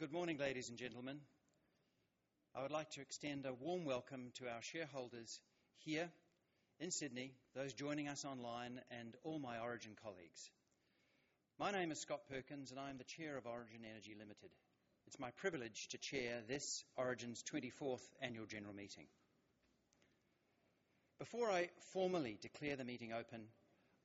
Good morning, ladies and gentlemen. I would like to extend a warm welcome to our shareholders here in Sydney, those joining us online, and all my Origin colleagues. My name is Scott Perkins, and I'm the Chair of Origin Energy Limited. It's my privilege to chair this, Origin's 24th annual general meeting. Before I formally declare the meeting open,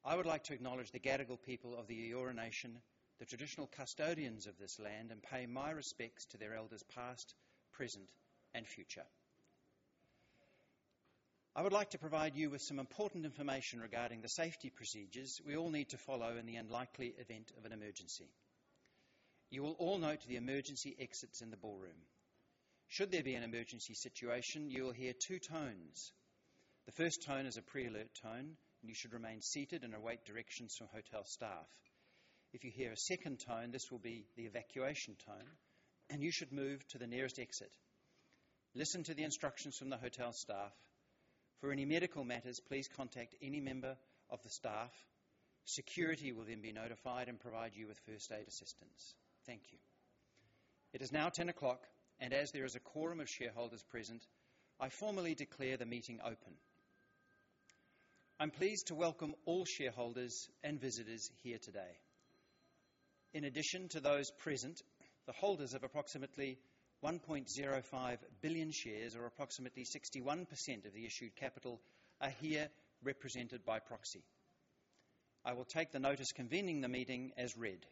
I would like to acknowledge the Gadigal people of the Eora Nation, the traditional custodians of this land, and pay my respects to their elders, past, present, and future. I would like to provide you with some important information regarding the safety procedures we all need to follow in the unlikely event of an emergency. You will all note the emergency exits in the ballroom. Should there be an emergency situation, you will hear two tones. The first tone is a pre-alert tone, and you should remain seated and await directions from hotel staff. If you hear a second tone, this will be the evacuation tone, and you should move to the nearest exit. Listen to the instructions from the hotel staff. For any medical matters, please contact any member of the staff. Security will then be notified and provide you with first aid assistance. Thank you. It is now 10:00 A.M., and as there is a quorum of shareholders present, I formally declare the meeting open. I'm pleased to welcome all shareholders and visitors here today. In addition to those present, the holders of approximately 1.05 billion shares, or approximately 61% of the issued capital, are here represented by proxy. I will take the notice convening the meeting as read.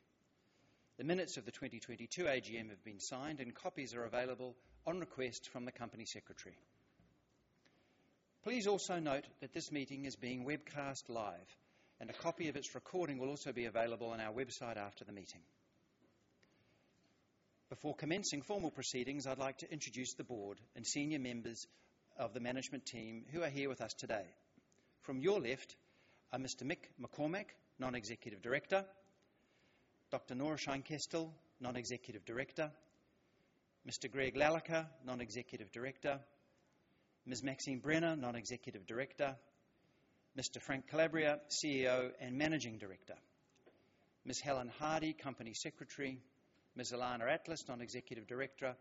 The minutes of the 2022 AGM have been signed, and copies are available on request from the Company Secretary. Please also note that this meeting is being webcast live, and a copy of its recording will also be available on our website after the meeting. Before commencing formal proceedings, I'd like to introduce the Board and Senior Members of the Management Team who are here with us today. From your left are Mr. Mick McCormack, Non-Executive Director, Dr. Nora Scheinkestel, Non-Executive Director, Mr. Greg Lalicker, Non-Executive Director, Ms. Maxine Brenner, Non-Executive Director, Mr. Frank Calabria, CEO and Managing Director, Ms. Helen Hardy, Company Secretary, Ms. Ilana Atlas, Non-Executive Director,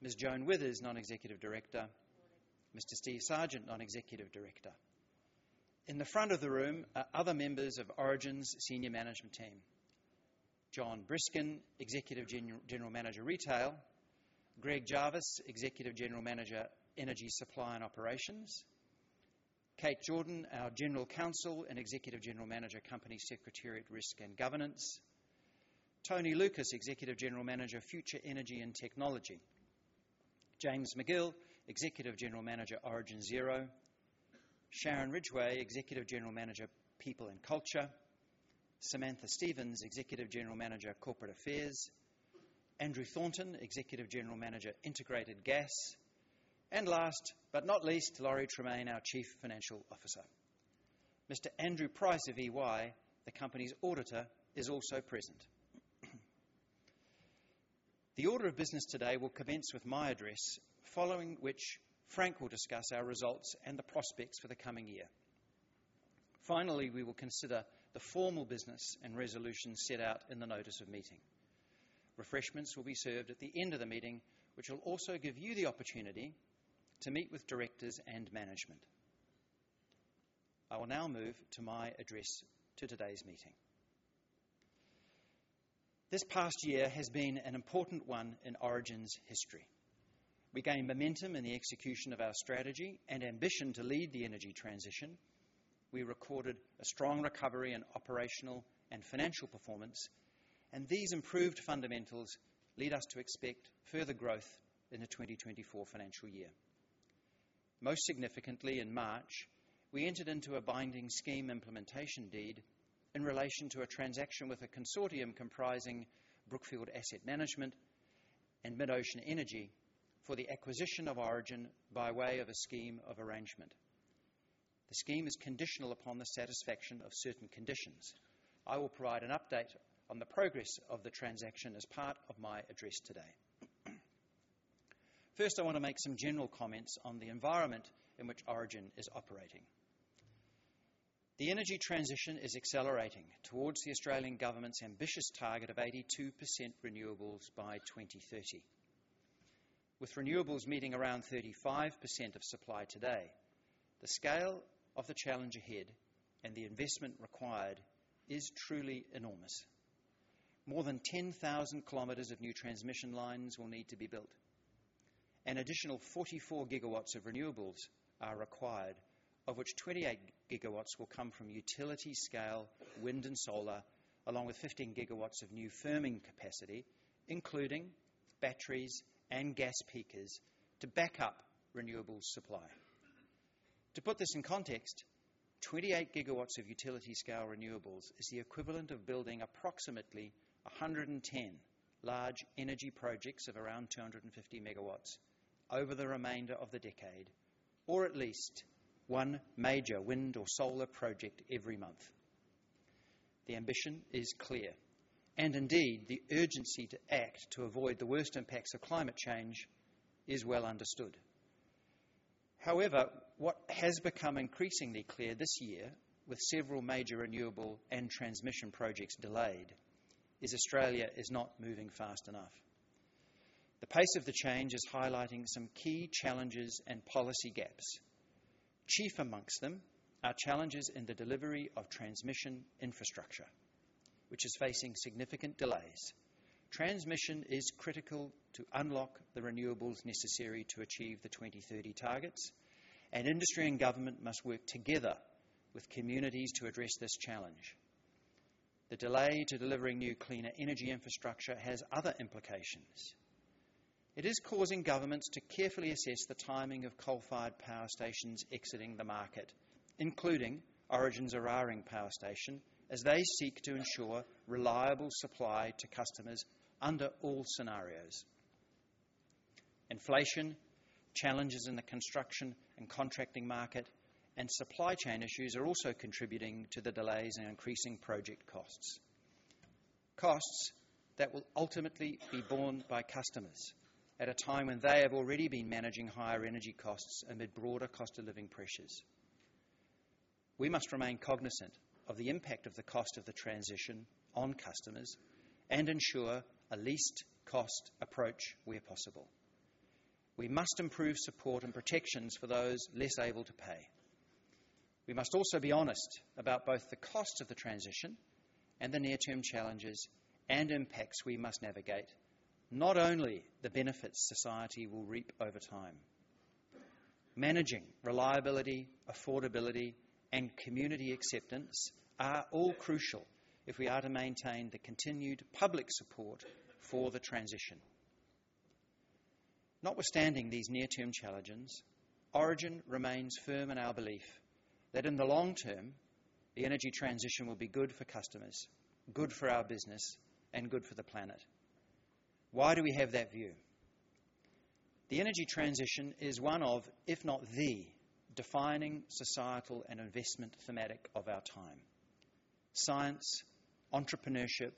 Ms. Joan Withers, Non-Executive Director, Mr. Steve Sargent, Non-Executive Director. In the front of the room are other members of Origin's Senior Management Team. Jon Briskin, Executive General Manager, Retail; Greg Jarvis, Executive General Manager, Energy Supply and Operations; Kate Jordan, our General Counsel and Executive General Manager, Company Secretariat, Risk and Governance; Tony Lucas, Executive General Manager, Future Energy and Technology; James Magill, Executive General Manager, Origin Zero; Sharon Ridgway, Executive General Manager, People and Culture; Samantha Stevens, Executive General Manager, Corporate Affairs; Andrew Thornton, Executive General Manager, Integrated Gas, and last but not least, Lawrie Tremaine, our Chief Financial Officer. Mr. Andrew Price of EY, the company's auditor, is also present. The order of business today will commence with my address, following which Frank will discuss our results and the prospects for the coming year. Finally, we will consider the formal business and resolutions set out in the notice of meeting. Refreshments will be served at the end of the meeting, which will also give you the opportunity to meet with directors and management. I will now move to my address to today's meeting. This past year has been an important one in Origin's history. We gained momentum in the execution of our strategy and ambition to lead the energy transition. We recorded a strong recovery in operational and financial performance, and these improved fundamentals lead us to expect further growth in the 2024 financial year. Most significantly, in March, we entered into a binding scheme implementation deed in relation to a transaction with a consortium comprising Brookfield Asset Management and MidOcean Energy for the acquisition of Origin by way of a scheme of arrangement. The scheme is conditional upon the satisfaction of certain conditions. I will provide an update on the progress of the transaction as part of my address today. First, I want to make some general comments on the environment in which Origin is operating. The energy transition is accelerating towards the Australian Government's ambitious target of 82% renewables by 2030. With renewables meeting around 35% of supply today, the scale of the challenge ahead and the investment required is truly enormous. More than 10,000 km of new transmission lines will need to be built. An additional 44 GW of renewables are required, of which 28 GW will come from utility-scale wind and solar, along with 15 GW of new firming capacity, including batteries and gas peakers, to back up renewables supply. To put this in context, 28 GW of utility-scale renewables is the equivalent of building approximately 110 large energy projects of around 250 MW over the remainder of the decade, or at least one major wind or solar project every month. The ambition is clear, and indeed, the urgency to act to avoid the worst impacts of climate change is well understood. However, what has become increasingly clear this year, with several major renewable and transmission projects delayed, is Australia is not moving fast enough. The pace of the change is highlighting some key challenges and policy gaps. Chief amongst them are challenges in the delivery of transmission infrastructure, which is facing significant delays. Transmission is critical to unlock the renewables necessary to achieve the 2030 targets, and industry and government must work together with communities to address this challenge. The delay to delivering new cleaner energy infrastructure has other implications. It is causing governments to carefully assess the timing of coal-fired power stations exiting the market, including Origin's Eraring Power Station, as they seek to ensure reliable supply to customers under all scenarios. Inflation, challenges in the construction and contracting market, and supply chain issues are also contributing to the delays and increasing project costs. Costs that will ultimately be borne by customers at a time when they have already been managing higher energy costs amid broader cost of living pressures. We must remain cognizant of the impact of the cost of the transition on customers and ensure a least cost approach where possible. We must improve support and protections for those less able to pay. We must also be honest about both the costs of the transition and the near-term challenges and impacts we must navigate, not only the benefits society will reap over time. Managing reliability, affordability, and community acceptance are all crucial if we are to maintain the continued public support for the transition. Notwithstanding these near-term challenges, Origin remains firm in our belief that in the long term, the energy transition will be good for customers, good for our business, and good for the planet. Why do we have that view? The energy transition is one of, if not the defining societal and investment thematic of our time. Science, entrepreneurship,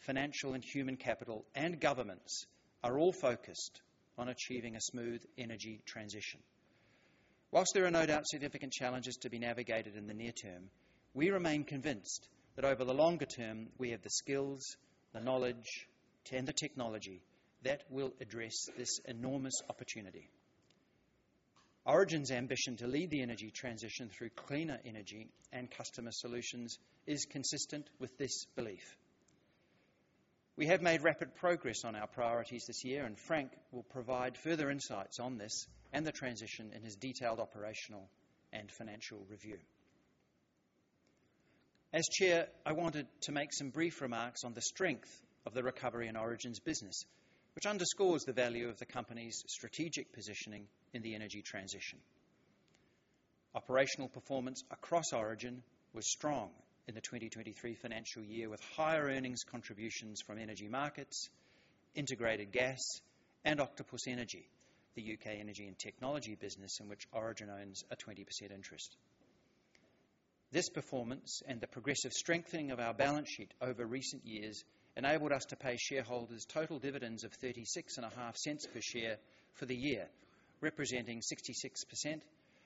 financial and human capital, and governments are all focused on achieving a smooth energy transition. While there are no doubt significant challenges to be navigated in the near term, we remain convinced that over the longer term, we have the skills, the knowledge, and the technology that will address this enormous opportunity. Origin's ambition to lead the energy transition through cleaner energy and customer solutions is consistent with this belief. We have made rapid progress on our priorities this year, and Frank will provide further insights on this and the transition in his detailed operational and financial review. As Chair, I wanted to make some brief remarks on the strength of the recovery in Origin's business, which underscores the value of the company's strategic positioning in the energy transition. Operational performance across Origin was strong in the 2023 financial year, with higher earnings contributions from Energy Markets, Integrated Gas, and Octopus Energy, the U.K. energy and technology business in which Origin owns a 20% interest. This performance and the progressive strengthening of our balance sheet over recent years enabled us to pay shareholders total dividends of 0.365 per share for the year, representing 66%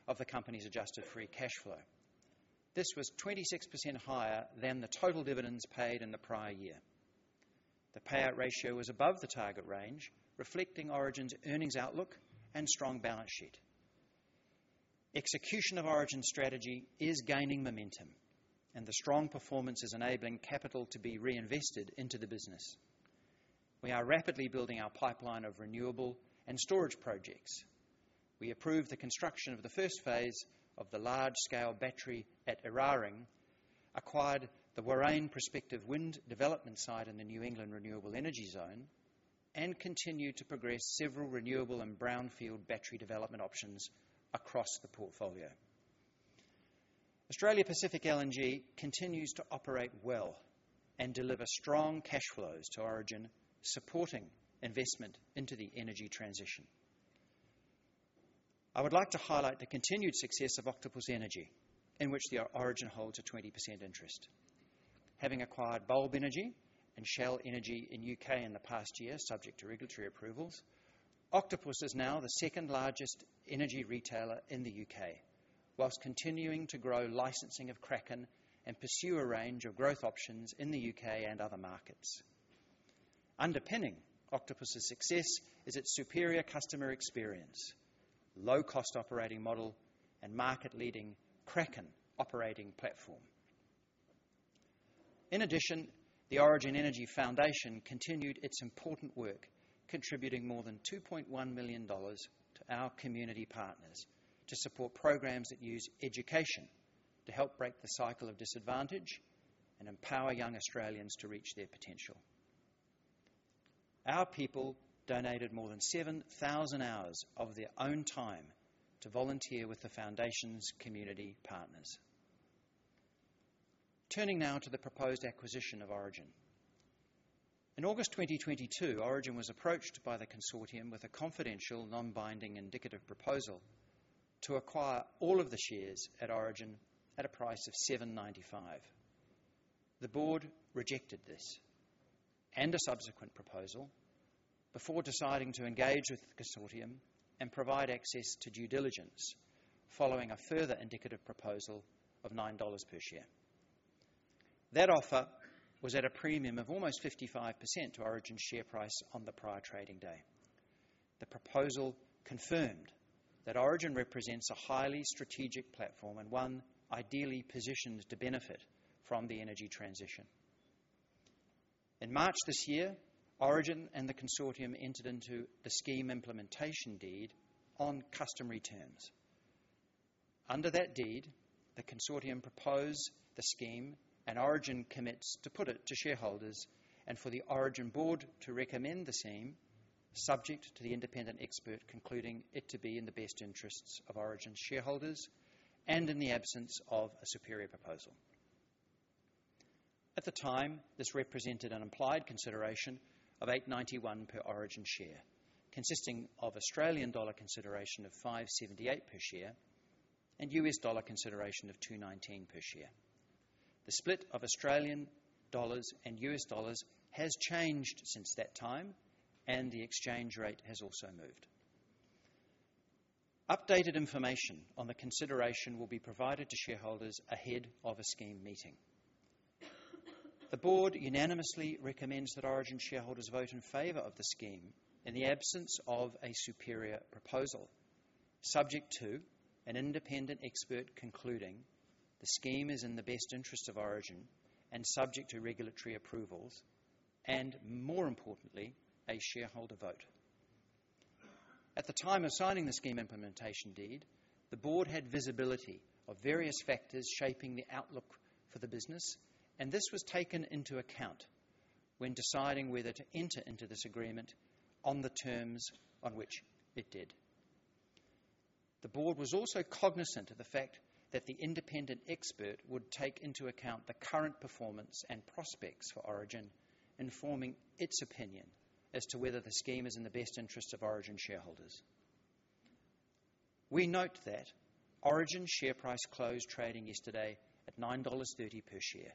of the company's adjusted free cash flow. This was 26% higher than the total dividends paid in the prior year. The payout ratio was above the target range, reflecting Origin's earnings outlook and strong balance sheet. Execution of Origin's strategy is gaining momentum, and the strong performance is enabling capital to be reinvested into the business. We are rapidly building our pipeline of renewable and storage projects. We approved the construction of the first phase of the large-scale battery at Eraring, acquired the Warrane prospective wind development site in the New England Renewable Energy Zone, and continued to progress several renewable and brownfield battery development options across the portfolio. Australia Pacific LNG continues to operate well and deliver strong cash flows to Origin, supporting investment into the energy transition. I would like to highlight the continued success of Octopus Energy, in which Origin holds a 20% interest. Having acquired Bulb Energy and Shell Energy in U.K. in the past year, subject to regulatory approvals, Octopus is now the second-largest energy retailer in the U.K., whilst continuing to grow licensing of Kraken and pursue a range of growth options in the U.K. and other markets. Underpinning Octopus' success is its superior customer experience, low-cost operating model, and market-leading Kraken operating platform. In addition, the Origin Foundation continued its important work, contributing more than 2.1 million dollars to our community partners to support programs that use education to help break the cycle of disadvantage and empower young Australians to reach their potential. Our people donated more than 7,000 hours of their own time to volunteer with the foundation's community partners. Turning now to the proposed acquisition of Origin. In August 2022, Origin was approached by the consortium with a confidential, non-binding, indicative proposal to acquire all of the shares at Origin at a price of 7.95. The Board rejected this and a subsequent proposal before deciding to engage with the consortium and provide access to due diligence, following a further indicative proposal of 9 dollars per share. That offer was at a premium of almost 55% to Origin's share price on the prior trading day. The proposal confirmed that Origin represents a highly strategic platform and one ideally positioned to benefit from the energy transition. In March this year, Origin and the consortium entered into the scheme implementation deed on customary terms. Under that deed, the consortium proposed the scheme, and Origin commits to put it to shareholders and for the Origin Board to recommend the same, subject to the independent expert concluding it to be in the best interests of Origin's shareholders and in the absence of a superior proposal. At the time, this represented an implied consideration of 8.91 per Origin share, consisting of Australian dollar consideration of 5.78 per share and U.S. dollar consideration of $2.19 per share. The split of Australian dollars and U.S. dollars has changed since that time, and the exchange rate has also moved. Updated information on the consideration will be provided to shareholders ahead of a scheme meeting. The Board unanimously recommends that Origin shareholders vote in favor of the scheme in the absence of a superior proposal, subject to an independent expert concluding the scheme is in the best interest of Origin and subject to regulatory approvals and, more importantly, a shareholder vote. At the time of signing the Scheme Implementation Deed, the Board had visibility of various factors shaping the outlook for the business, and this was taken into account when deciding whether to enter into this agreement on the terms on which it did. The Board was also cognizant of the fact that the independent expert would take into account the current performance and prospects for Origin, informing its opinion as to whether the scheme is in the best interest of Origin shareholders. We note that Origin's share price closed trading yesterday at 9.30 dollars per share,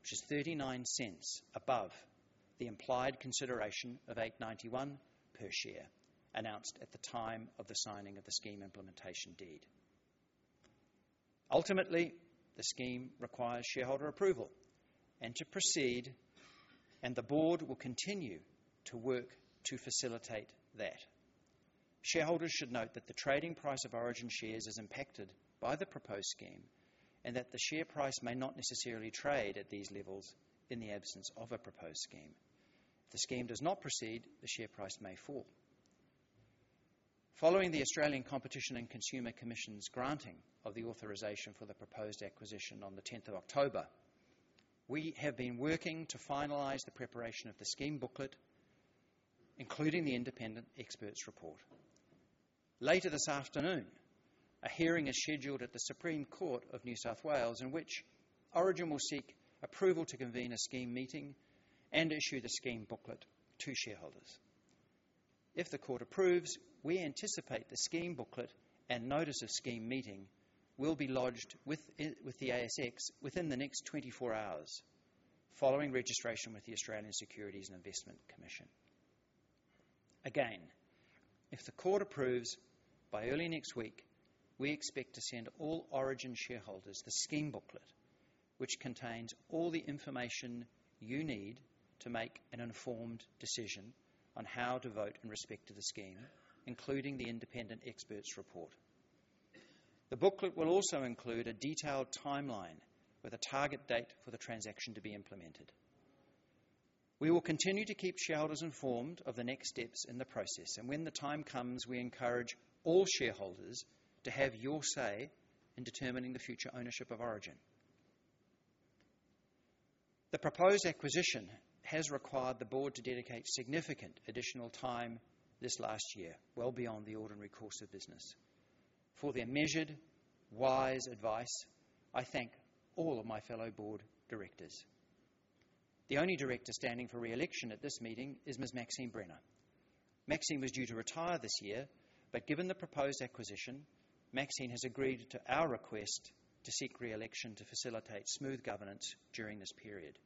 which is 0.39 above the implied consideration of 8.91 per share, announced at the time of the signing of the scheme implementation deed. Ultimately, the scheme requires shareholder approval and to proceed, and the Board will continue to work to facilitate that. Shareholders should note that the trading price of Origin shares is impacted by the proposed scheme and that the share price may not necessarily trade at these levels in the absence of a proposed scheme. If the scheme does not proceed, the share price may fall. Following the Australian Competition and Consumer Commission's granting of the authorization for the proposed acquisition on the 10th of October, we have been working to finalize the preparation of the scheme booklet, including the independent expert's report. Later this afternoon, a hearing is scheduled at the Supreme Court of New South Wales, in which Origin will seek approval to convene a scheme meeting and issue the scheme booklet to shareholders. If the Court approves, we anticipate the scheme booklet and notice of scheme meeting will be lodged with the ASX within the next 24 hours, following registration with the Australian Securities and Investments Commission. Again, if the Court approves, by early next week, we expect to send all Origin shareholders the scheme booklet, which contains all the information you need to make an informed decision on how to vote in respect to the scheme, including the independent expert's report. The booklet will also include a detailed timeline with a target date for the transaction to be implemented. We will continue to keep shareholders informed of the next steps in the process, and when the time comes, we encourage all shareholders to have your say in determining the future ownership of Origin. The proposed acquisition has required the Board to dedicate significant additional time this last year, well beyond the ordinary course of business. For their measured, wise advice, I thank all of my fellow Board directors. The only director standing for re-election at this meeting is Ms. Maxine Brenner. Maxine was due to retire this year, but given the proposed acquisition, Maxine has agreed to our request to seek re-election to facilitate smooth governance during this period.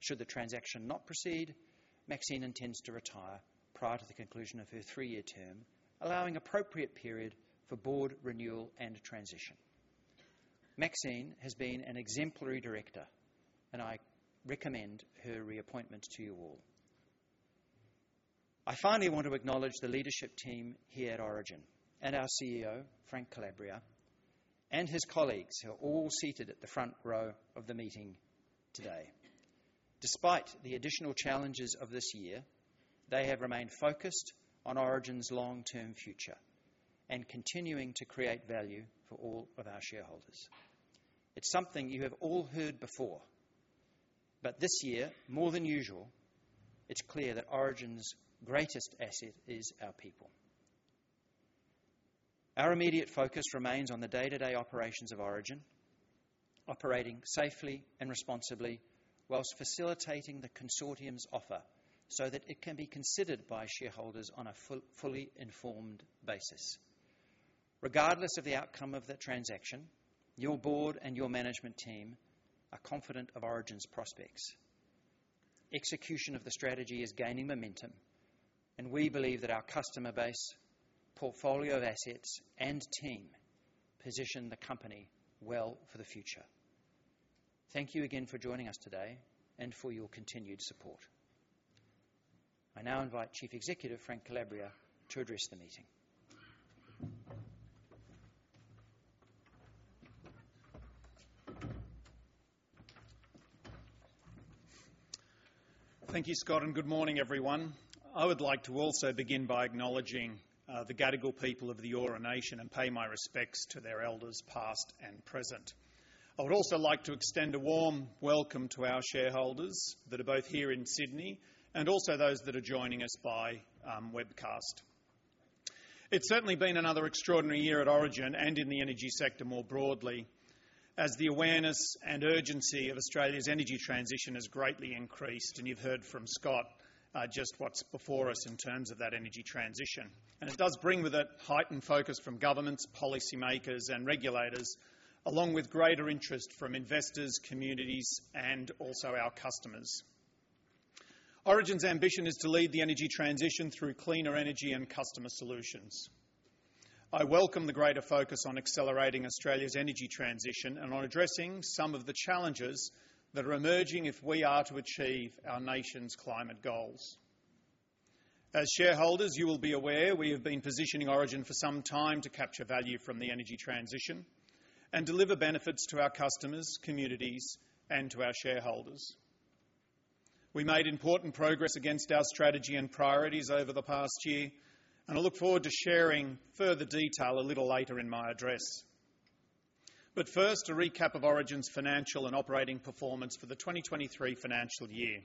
Should the transaction not proceed, Maxine intends to retire prior to the conclusion of her three-year term, allowing appropriate period for Board renewal and transition. Maxine has been an exemplary director, and I recommend her reappointment to you all. I finally want to acknowledge the leadership team here at Origin, and our CEO, Frank Calabria, and his colleagues, who are all seated at the front row of the meeting today. Despite the additional challenges of this year, they have remained focused on Origin's long-term future and continuing to create value for all of our shareholders. It's something you have all heard before, but this year, more than usual, it's clear that Origin's greatest asset is our people. Our immediate focus remains on the day-to-day operations of Origin, operating safely and responsibly, while facilitating the consortium's offer so that it can be considered by shareholders on a fully informed basis. Regardless of the outcome of that transaction, your Board and your Management Team are confident of Origin's prospects. Execution of the strategy is gaining momentum, and we believe that our customer base, portfolio of assets, and team position the company well for the future. Thank you again for joining us today and for your continued support. I now invite Chief Executive, Frank Calabria, to address the meeting. Thank you, Scott, and good morning, everyone. I would like to also begin by acknowledging the Gadigal people of the Eora Nation and pay my respects to their elders, past and present. I would also like to extend a warm welcome to our shareholders that are both here in Sydney and also those that are joining us by webcast. It's certainly been another extraordinary year at Origin and in the energy sector more broadly, as the awareness and urgency of Australia's energy transition has greatly increased. And you've heard from Scott just what's before us in terms of that energy transition. And it does bring with it heightened focus from governments, policymakers, and regulators, along with greater interest from investors, communities, and also our customers. Origin's ambition is to lead the energy transition through cleaner energy and customer solutions. I welcome the greater focus on accelerating Australia's energy transition and on addressing some of the challenges that are emerging if we are to achieve our nation's climate goals. As shareholders, you will be aware we have been positioning Origin for some time to capture value from the energy transition and deliver benefits to our customers, communities, and to our shareholders. We made important progress against our strategy and priorities over the past year, and I look forward to sharing further detail a little later in my address. But first, a recap of Origin's financial and operating performance for the 2023 financial year.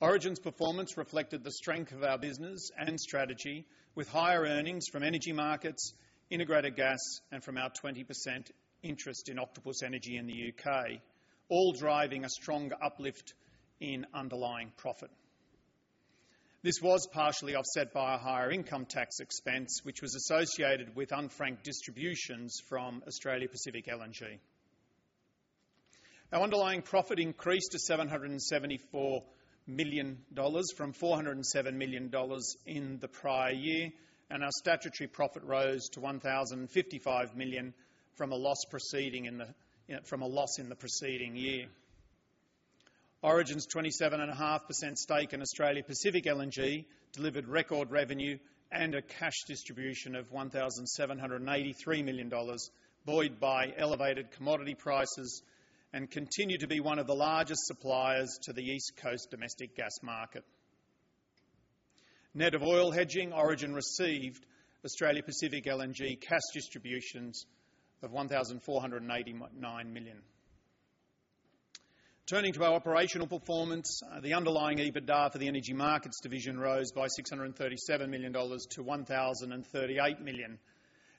Origin's performance reflected the strength of our business and strategy, with higher earnings from energy markets, integrated gas, and from our 20% interest in Octopus Energy in the U.K., all driving a strong uplift in underlying profit. This was partially offset by a higher income tax expense, which was associated with unfranked distributions from Australia Pacific LNG. Our underlying profit increased to 774 million dollars from 407 million dollars in the prior year, and our statutory profit rose to 1,055 million from a loss proceeding in the, you know, from a loss in the preceding year. Origin's 27.5% stake in Australia Pacific LNG delivered record revenue and a cash distribution of 1,783 million dollars, buoyed by elevated commodity prices, and continued to be one of the largest suppliers to the East Coast domestic gas market. Net of oil hedging, Origin received Australia Pacific LNG cash distributions of 1,489 million. Turning to our operational performance, the underlying EBITDA for the Energy Markets division rose by 637 million dollars to 1,038 million,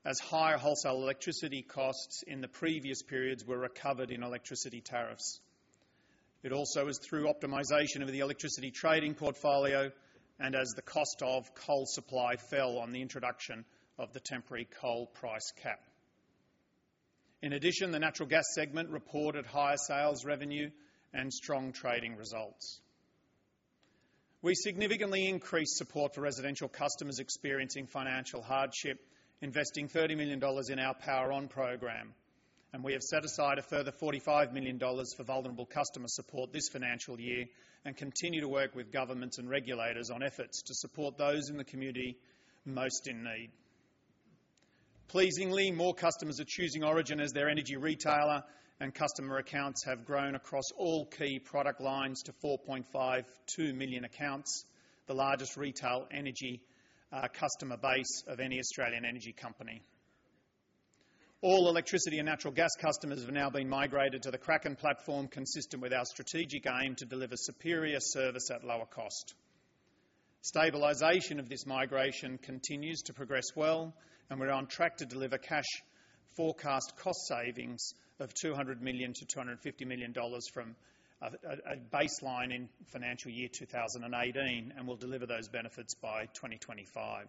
as higher wholesale electricity costs in the previous periods were recovered in electricity tariffs. It also is through optimization of the electricity trading portfolio and as the cost of coal supply fell on the introduction of the temporary coal price cap. In addition, the natural gas segment reported higher sales revenue and strong trading results. We significantly increased support for residential customers experiencing financial hardship, investing 30 million dollars in our Power On program, and we have set aside a further 45 million dollars for vulnerable customer support this financial year and continue to work with governments and regulators on efforts to support those in the community most in need. Pleasingly, more customers are choosing Origin as their energy retailer, and customer accounts have grown across all key product lines to 4.52 million accounts, the largest retail energy customer base of any Australian energy company. All electricity and natural gas customers have now been migrated to the Kraken platform, consistent with our strategic aim to deliver superior service at lower cost. Stabilization of this migration continues to progress well, and we're on track to deliver cash forecast cost savings of 200 million-250 million dollars from a baseline in financial year 2018, and we'll deliver those benefits by 2025.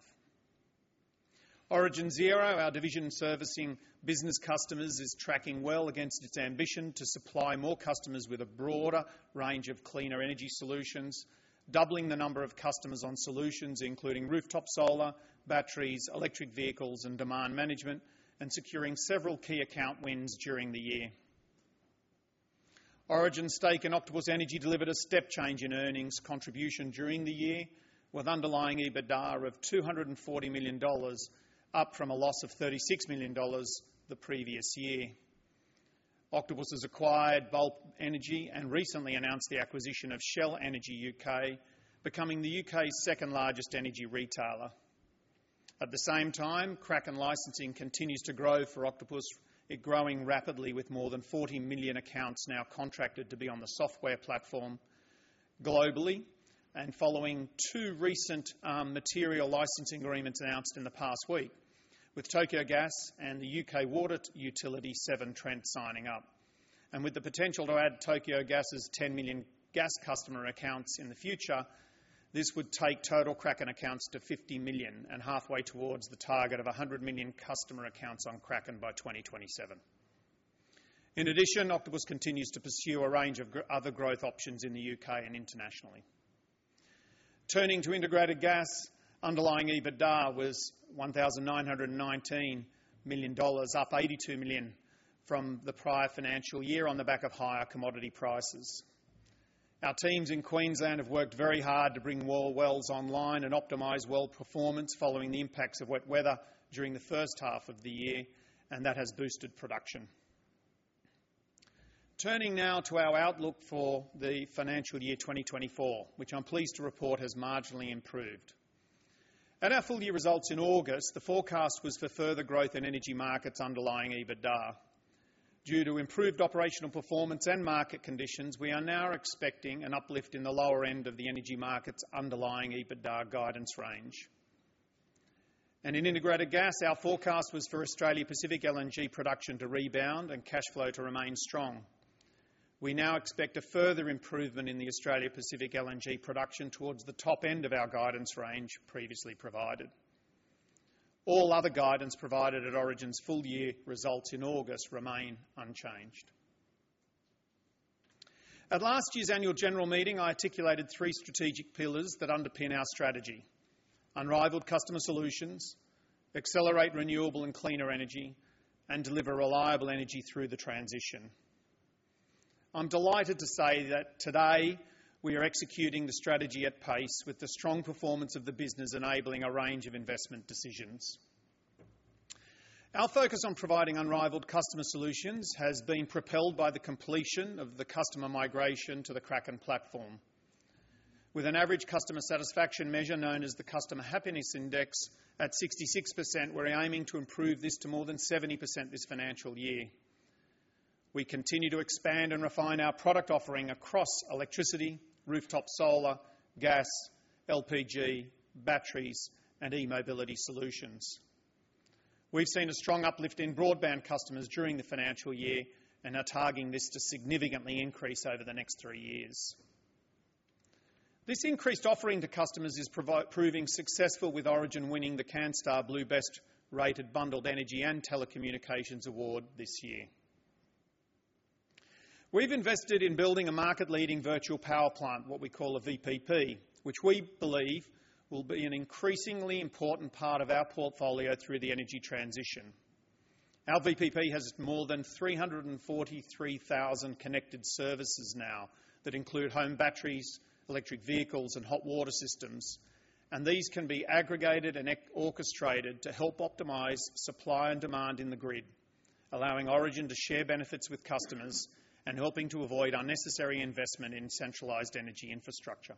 Origin Zero, our division servicing business customers, is tracking well against its ambition to supply more customers with a broader range of cleaner energy solutions, doubling the number of customers on solutions, including rooftop solar, batteries, electric vehicles, and demand management, and securing several key account wins during the year. Origin's stake in Octopus Energy delivered a step change in earnings contribution during the year, with underlying EBITDA of 240 million dollars, up from a loss of 36 million dollars the previous year. Octopus has acquired Bulb Energy and recently announced the acquisition of Shell Energy U.K., becoming the U.K.'s second-largest energy retailer. At the same time, Kraken licensing continues to grow for Octopus. It growing rapidly, with more than 40 million accounts now contracted to be on the software platform. globally, and following two recent, material licensing agreements announced in the past week, with Tokyo Gas and the U.K. water utility Severn Trent signing up. And with the potential to add Tokyo Gas's 10 million gas customer accounts in the future, this would take total Kraken accounts to 50 million and halfway towards the target of 100 million customer accounts on Kraken by 2027. In addition, Octopus continues to pursue a range of other growth options in the U.K. and internationally. Turning to Integrated Gas, underlying EBITDA was 1,919 million dollars, up 82 million from the prior financial year on the back of higher commodity prices. Our teams in Queensland have worked very hard to bring more wells online and optimize well performance following the impacts of wet weather during the first half of the year, and that has boosted production. Turning now to our outlook for the financial year 2024, which I'm pleased to report has marginally improved. At our full year results in August, the forecast was for further growth in Energy Markets underlying EBITDA. Due to improved operational performance and market conditions, we are now expecting an uplift in the lower end of the Energy Markets' underlying EBITDA guidance range. And in Integrated Gas, our forecast was for Australia Pacific LNG production to rebound and cash flow to remain strong. We now expect a further improvement in the Australia Pacific LNG production towards the top end of our guidance range previously provided. All other guidance provided at Origin's full-year results in August remain unchanged. At last year's annual general meeting, I articulated three strategic pillars that underpin our strategy: unrivaled customer solutions, accelerate renewable and cleaner energy, and deliver reliable energy through the transition. I'm delighted to say that today we are executing the strategy at pace with the strong performance of the business, enabling a range of investment decisions. Our focus on providing unrivaled customer solutions has been propelled by the completion of the customer migration to the Kraken platform. With an average customer satisfaction measure, known as the Customer Happiness Index, at 66%, we're aiming to improve this to more than 70% this financial year. We continue to expand and refine our product offering across electricity, rooftop solar, gas, LPG, batteries, and e-mobility solutions. We've seen a strong uplift in broadband customers during the financial year and are targeting this to significantly increase over the next three years. This increased offering to customers is proving successful, with Origin winning the Canstar Blue Best Rated Bundled Energy and Telecommunications Award this year. We've invested in building a market-leading virtual power plant, what we call a VPP, which we believe will be an increasingly important part of our portfolio through the energy transition. Our VPP has more than 343,000 connected services now that include home batteries, electric vehicles, and hot water systems, and these can be aggregated and orchestrated to help optimize supply and demand in the grid, allowing Origin to share benefits with customers and helping to avoid unnecessary investment in centralized energy infrastructure.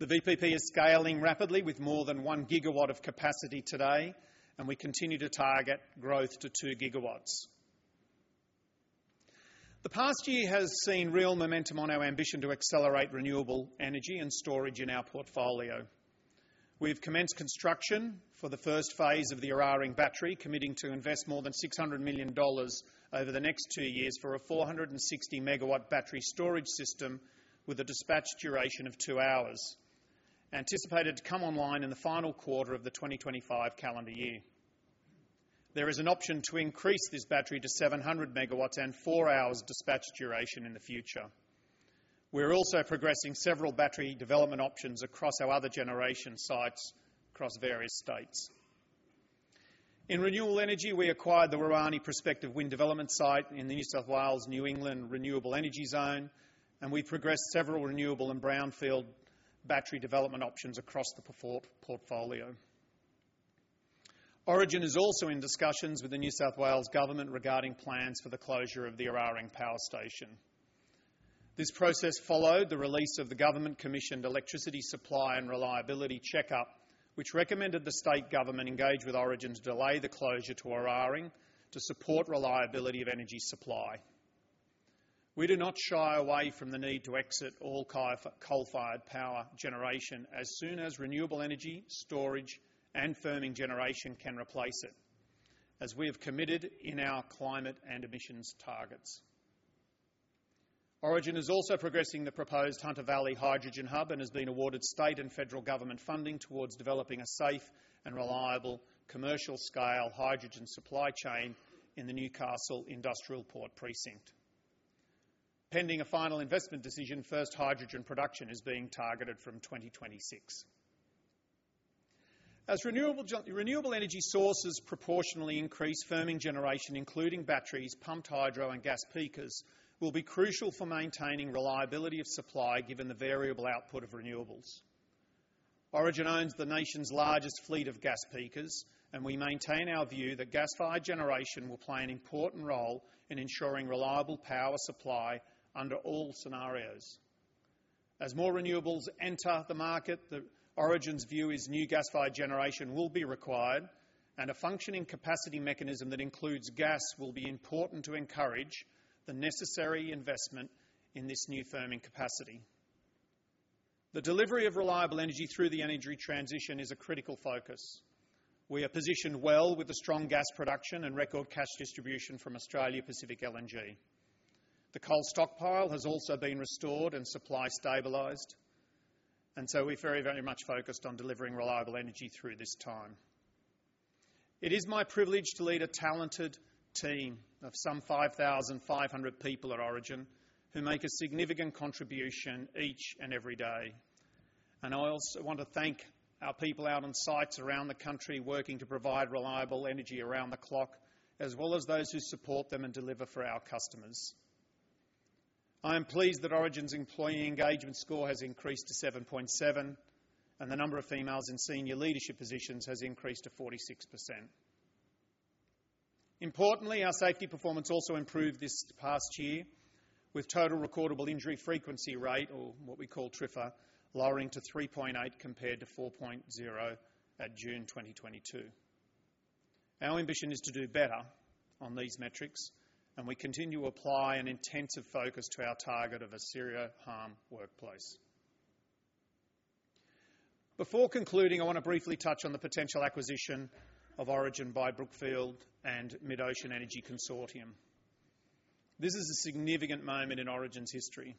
The VPP is scaling rapidly with more than 1 GW of capacity today, and we continue to target growth to 2 GW. The past year has seen real momentum on our ambition to accelerate renewable energy and storage in our portfolio. We've commenced construction for the first phase of the Eraring Battery, committing to invest more than 600 million dollars over the next two years for a 460-MW battery storage system with a dispatch duration of two hours, anticipated to come online in the final quarter of the 2025 calendar year. There is an option to increase this battery to 700 MW and four hours' dispatch duration in the future. We're also progressing several battery development options across our other generation sites across various states. In renewable energy, we acquired the Warrane prospective wind development site in the New South Wales New England Renewable Energy Zone, and we progressed several renewable and brownfield battery development options across the portfolio. Origin is also in discussions with the New South Wales Government regarding plans for the closure of the Eraring Power Station. This process followed the release of the government-commissioned Electricity Supply and Reliability Check Up, which recommended the state government engage with Origin to delay the closure to Eraring to support reliability of energy supply. We do not shy away from the need to exit all coal-fired power generation as soon as renewable energy, storage, and firming generation can replace it, as we have committed in our climate and emissions targets. Origin is also progressing the proposed Hunter Valley Hydrogen Hub and has been awarded State and Federal Government funding towards developing a safe and reliable commercial-scale hydrogen supply chain in the Newcastle Industrial Port Precinct. Pending a final investment decision, first hydrogen production is being targeted from 2026. As renewable energy sources proportionally increase, firming generation, including batteries, pumped hydro, and gas peakers, will be crucial for maintaining reliability of supply, given the variable output of renewables. Origin owns the nation's largest fleet of gas peakers, and we maintain our view that gas-fired generation will play an important role in ensuring reliable power supply under all scenarios. As more renewables enter the market, the Origin's view is new gas-fired generation will be required, and a functioning capacity mechanism that includes gas will be important to encourage the necessary investment in this new firming capacity. The delivery of reliable energy through the energy transition is a critical focus. We are positioned well with the strong gas production and record cash distribution from Australia Pacific LNG. The coal stockpile has also been restored and supply stabilized, and so we're very, very much focused on delivering reliable energy through this time. It is my privilege to lead a talented team of some 5,500 people at Origin, who make a significant contribution each and every day. I also want to thank our people out on sites around the country, working to provide reliable energy around the clock, as well as those who support them and deliver for our customers. I am pleased that Origin's employee engagement score has increased to 7.7, and the number of females in senior leadership positions has increased to 46%. Importantly, our safety performance also improved this past year, with total recordable injury frequency rate, or what we call TRIFR, lowering to 3.8 compared to 4.0 at June 2022. Our ambition is to do better on these metrics, and we continue to apply an intensive focus to our target of a zero-harm workplace. Before concluding, I want to briefly touch on the potential acquisition of Origin by Brookfield and MidOcean Energy Consortium. This is a significant moment in Origin's history,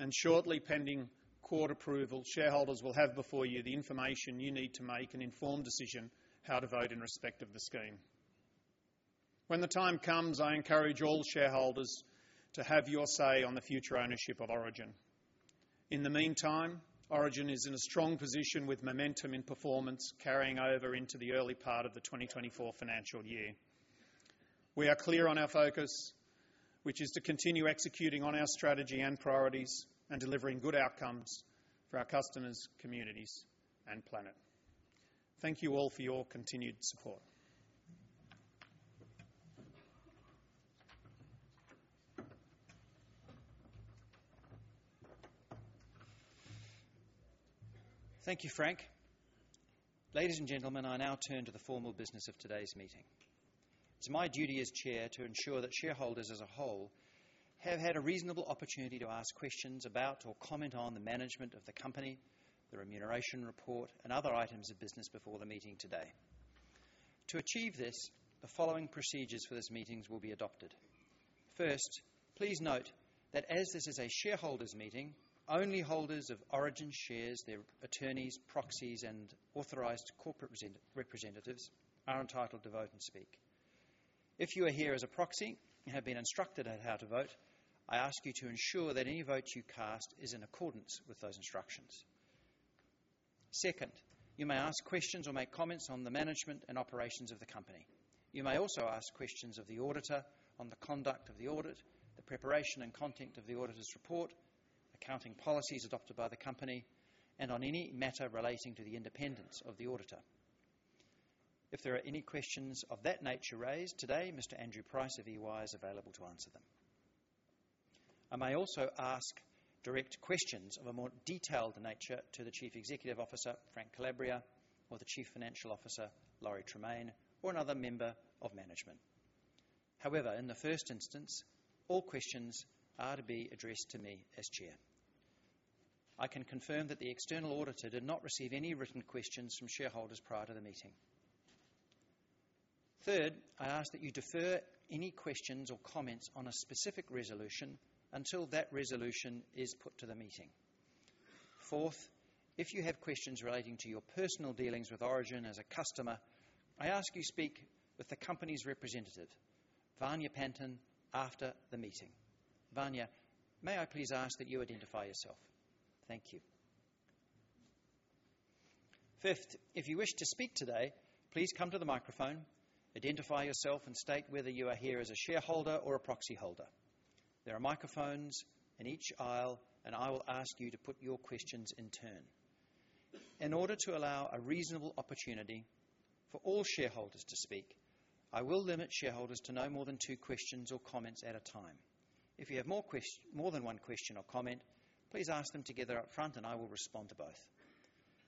and shortly, pending Court approval, shareholders will have before you the information you need to make an informed decision how to vote in respect of the scheme. When the time comes, I encourage all shareholders to have your say on the future ownership of Origin. In the meantime, Origin is in a strong position with momentum and performance carrying over into the early part of the 2024 financial year. We are clear on our focus, which is to continue executing on our strategy and priorities and delivering good outcomes for our customers, communities, and planet. Thank you all for your continued support. Thank you, Frank. Ladies and gentlemen, I now turn to the formal business of today's meeting. It's my duty as chair to ensure that shareholders as a whole have had a reasonable opportunity to ask questions about or comment on the management of the company, the remuneration report, and other items of business before the meeting today. To achieve this, the following procedures for this meeting will be adopted. First, please note that as this is a shareholders' meeting, only holders of Origin shares, their attorneys, proxies, and authorized corporate representatives are entitled to vote and speak. If you are here as a proxy and have been instructed on how to vote, I ask you to ensure that any vote you cast is in accordance with those instructions. Second, you may ask questions or make comments on the management and operations of the company. You may also ask questions of the auditor on the conduct of the audit, the preparation and content of the auditor's report, accounting policies adopted by the company, and on any matter relating to the independence of the auditor. If there are any questions of that nature raised today, Mr. Andrew Price of EY is available to answer them. I may also ask direct questions of a more detailed nature to the Chief Executive Officer, Frank Calabria, or the Chief Financial Officer, Lawrie Tremaine, or another member of management. However, in the first instance, all questions are to be addressed to me as Chair. I can confirm that the external auditor did not receive any written questions from shareholders prior to the meeting. Third, I ask that you defer any questions or comments on a specific resolution until that resolution is put to the meeting. Fourth, if you have questions relating to your personal dealings with Origin as a customer, I ask you speak with the company's representative, [Vanya Panton], after the meeting. [Vanya], may I please ask that you identify yourself? Thank you. Fifth, if you wish to speak today, please come to the microphone, identify yourself, and state whether you are here as a shareholder or a proxyholder. There are microphones in each aisle, and I will ask you to put your questions in turn. In order to allow a reasonable opportunity for all shareholders to speak, I will limit shareholders to no more than two questions or comments at a time. If you have more than one question or comment, please ask them together upfront, and I will respond to both.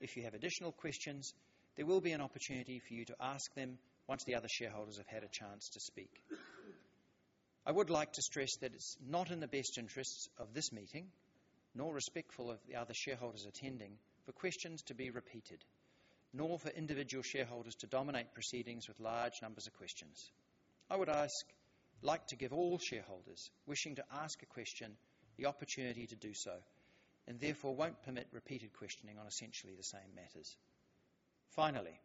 If you have additional questions, there will be an opportunity for you to ask them once the other shareholders have had a chance to speak. I would like to stress that it's not in the best interests of this meeting, nor respectful of the other shareholders attending, for questions to be repeated, nor for individual shareholders to dominate proceedings with large numbers of questions. I would like to give all shareholders wishing to ask a question the opportunity to do so, and therefore, won't permit repeated questioning on essentially the same matters. Finally,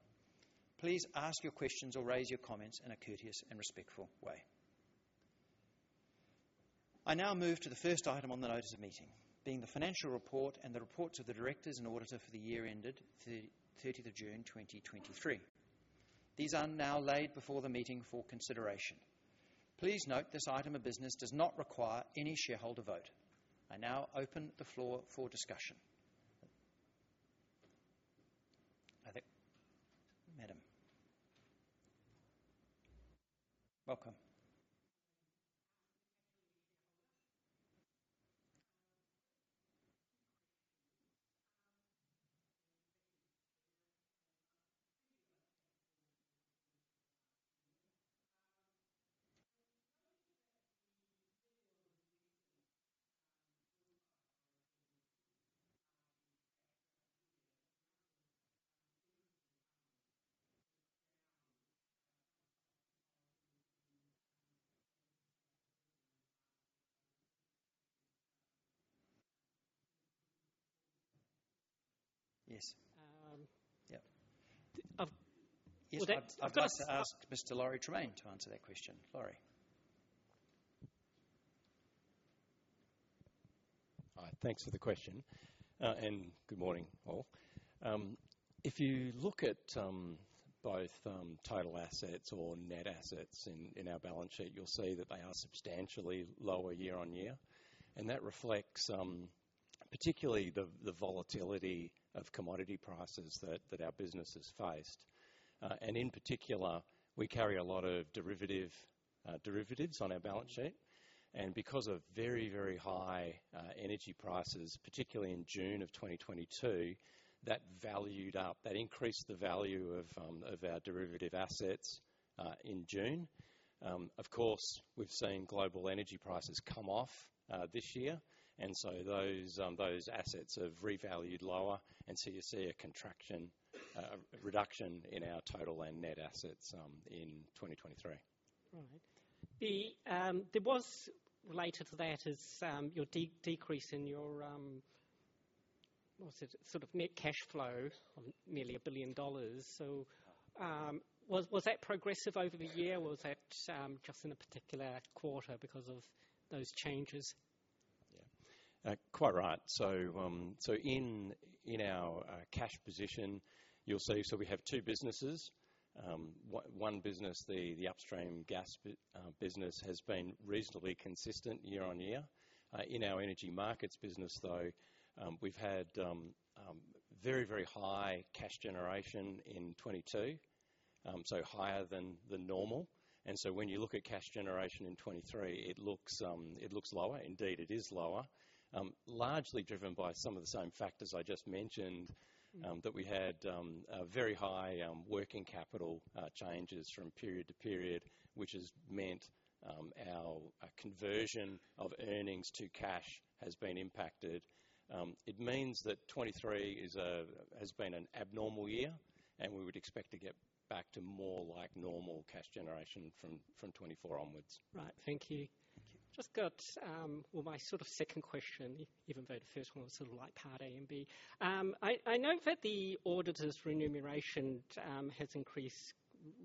please ask your questions or raise your comments in a courteous and respectful way. I now move to the first item on the notice of meeting, being the financial report and the reports of the directors and auditor for the year ended 30th June 2023. These are now laid before the meeting for consideration. Please note, this item of business does not require any shareholder vote. I now open the floor for discussion. Welcome. Yes. Yep. I've, well, that's. I'd like to ask Mr. Lawrie Tremaine to answer that question. Lawrie? Hi, thanks for the question, and good morning, all. If you look at both total assets or net assets in our balance sheet, you'll see that they are substantially lower year-on-year, and that reflects particularly the volatility of commodity prices that our business has faced. And in particular, we carry a lot of derivative derivatives on our balance sheet, and because of very, very high energy prices, particularly in June of 2022, that valued up that increased the value of our derivative assets in June. Of course, we've seen global energy prices come off this year, and so those assets have revalued lower, and so you see a contraction a reduction in our total and net assets in 2023. Right. The... There was related to that is, your decrease in your, what's it? Sort of net cash flow of nearly 1 billion dollars. So, was that progressive over the year, or was that just in a particular quarter because of those changes? Yeah. Quite right. So, so in, in our cash position, you'll see, so we have two businesses. One business, the, the upstream gas business, has been reasonably consistent year on year. In our Energy Markets business, though, we've had very, very high cash generation in 2022, so higher than, than normal. And so when you look at cash generation in 2023, it looks, it looks lower. Indeed, it is lower, largely driven by some of the same factors I just mentioned, that we had a very high working capital changes from period to period, which has meant our conversion of earnings to cash has been impacted. It means that 2023 has been an abnormal year, and we would expect to get back to more like normal cash generation from 2024 onwards. Right. Thank you. Thank you. Just got, well, my sort of second question, even though the first one was sort of like part A and B. I know that the auditor's remuneration has increased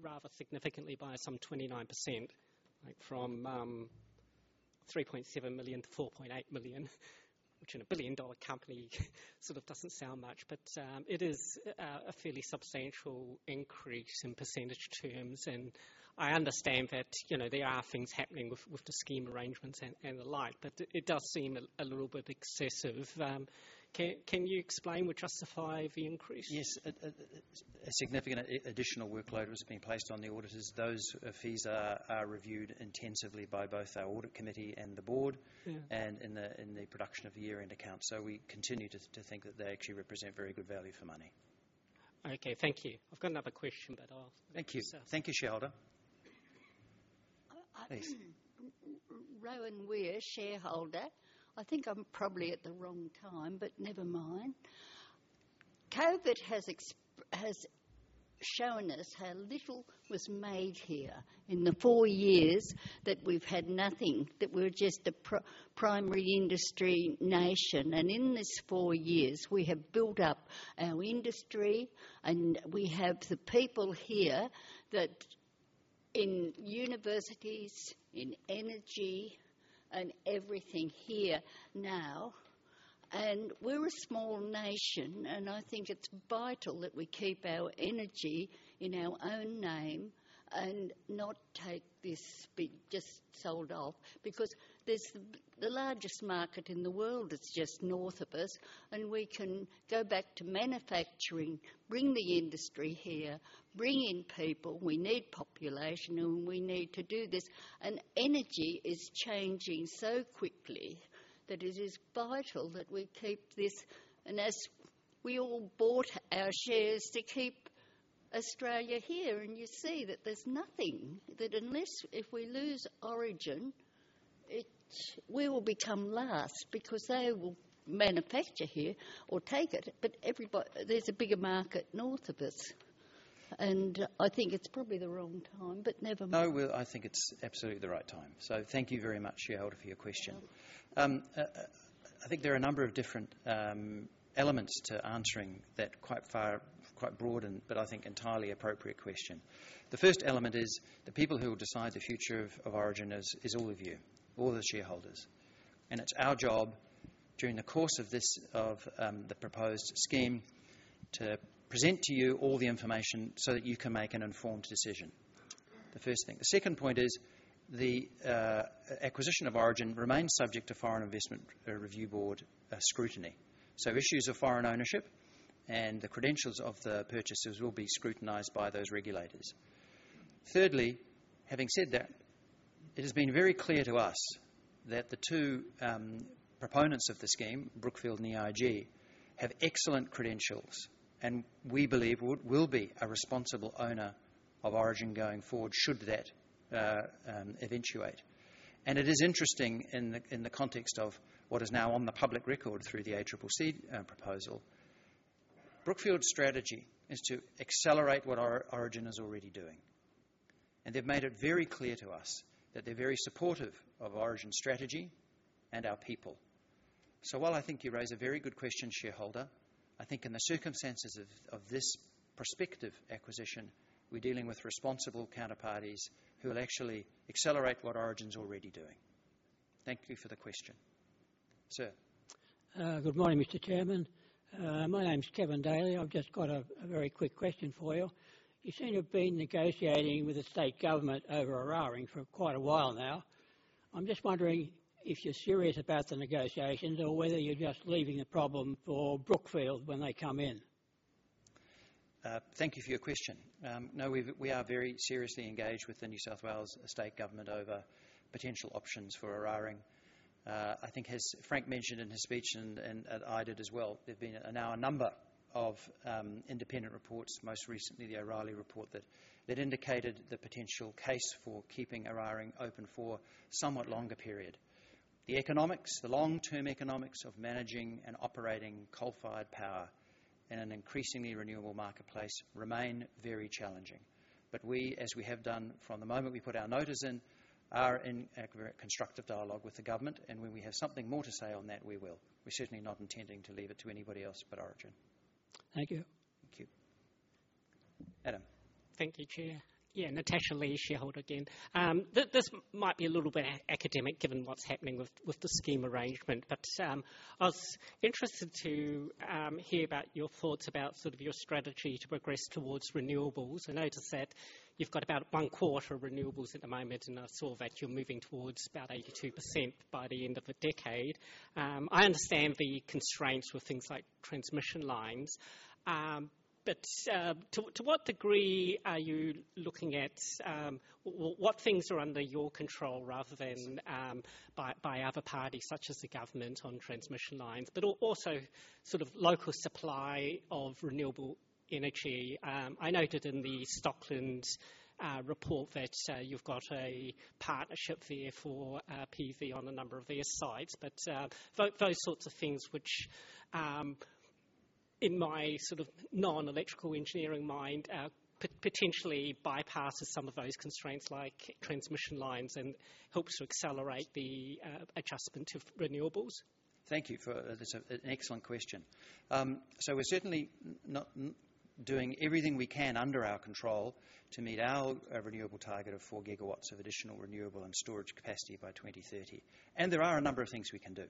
rather significantly by some 29%, like from 3.7 million to 4.8 million, which in a billion-dollar company sort of doesn't sound much, but it is a fairly substantial increase in percentage terms. And I understand that, you know, there are things happening with the scheme arrangements and the like, but it does seem a little bit excessive. Can you explain or justify the increase? Yes. A significant additional workload was being placed on the auditors. Those fees are reviewed intensively by both our audit committee and the Board. Mm-hmm. And in the production of the year-end account. So we continue to think that they actually represent very good value for money. Okay, thank you. I've got another question, but I'll. Thank you. Thank you, shareholder. Uh, I. Please. [Rowan Weir], shareholder. I think I'm probably at the wrong time, but never mind. COVID has shown us how little was made here in the four years that we've had nothing, that we're just a primary industry nation. And in this four years, we have built up our industry, and we have the people here that in universities, in energy, and everything here now. And we're a small nation, and I think it's vital that we keep our energy in our own name and not take this big, just sold off because there's the, the largest market in the world is just north of us, and we can go back to manufacturing, bring the industry here, bring in people. We need population, and we need to do this. And energy is changing so quickly that it is vital that we keep this. As we all bought our shares to keep Australia here, and you see that there's nothing, that unless if we lose Origin, it, we will become last because they will manufacture here or take it. But everybody, there's a bigger market north of us, and I think it's probably the wrong time, but never mind. No, well, I think it's absolutely the right time. So thank you very much, shareholder, for your question. I think there are a number of different elements to answering that quite far, quite broad, and, but I think entirely appropriate question. The first element is the people who will decide the future of Origin is all of you, all the shareholders. And it's our job during the course of this, of the proposed scheme, to present to you all the information so that you can make an informed decision. The first thing. The second point is the acquisition of Origin remains subject to Foreign Investment Review Board scrutiny. So issues of foreign ownership, and the credentials of the purchasers will be scrutinized by those regulators. Thirdly, having said that, it has been very clear to us that the two proponents of the scheme, Brookfield and EIG, have excellent credentials, and we believe will be a responsible owner of Origin going forward, should that eventuate. And it is interesting in the context of what is now on the public record through the ACCC proposal. Brookfield's strategy is to accelerate what Origin is already doing, and they've made it very clear to us that they're very supportive of Origin's strategy and our people. So while I think you raise a very good question, shareholder, I think in the circumstances of this prospective acquisition, we're dealing with responsible counterparties who will actually accelerate what Origin's already doing. Thank you for the question. Sir? Good morning, Mr. Chairman. My name's [Kevin Daley]. I've just got a very quick question for you. You said you've been negotiating with the state government over Eraring for quite a while now. I'm just wondering if you're serious about the negotiations or whether you're just leaving the problem for Brookfield when they come in? Thank you for your question. No, we are very seriously engaged with the New South Wales state government over potential options for Eraring. I think as Frank mentioned in his speech and I did as well, there have been now a number of independent reports, most recently the O'Reilly report, that indicated the potential case for keeping Eraring open for somewhat longer period. The economics, the long-term economics of managing and operating coal-fired power in an increasingly renewable marketplace remain very challenging. But we, as we have done from the moment we put our notice in, are in a very constructive dialogue with the government, and when we have something more to say on that, we will. We're certainly not intending to leave it to anybody else but Origin. Thank you. Thank you. Madam? Thank you, Chair. Yeah, [Natasha Lee], shareholder again. This might be a little bit academic, given what's happening with the scheme arrangement, but I was interested to hear about your thoughts about sort of your strategy to progress towards renewables. I noticed that you've got about 25% renewables at the moment, and I saw that you're moving towards about 82% by the end of the decade. I understand the constraints with things like transmission lines. But to what degree are you looking at what things are under your control rather than by other parties, such as the government on transmission lines, but also sort of local supply of renewable energy? I noted in the Stockland report that you've got a partnership there for PV on a number of their sites. But, those sorts of things which, in my sort of non-electrical engineering mind, potentially bypasses some of those constraints, like transmission lines, and helps to accelerate the adjustment to renewables. Thank you for. That's an excellent question. So we're certainly not doing everything we can under our control to meet our renewable target of four gigawatts of additional renewable and storage capacity by 2030, and there are a number of things we can do.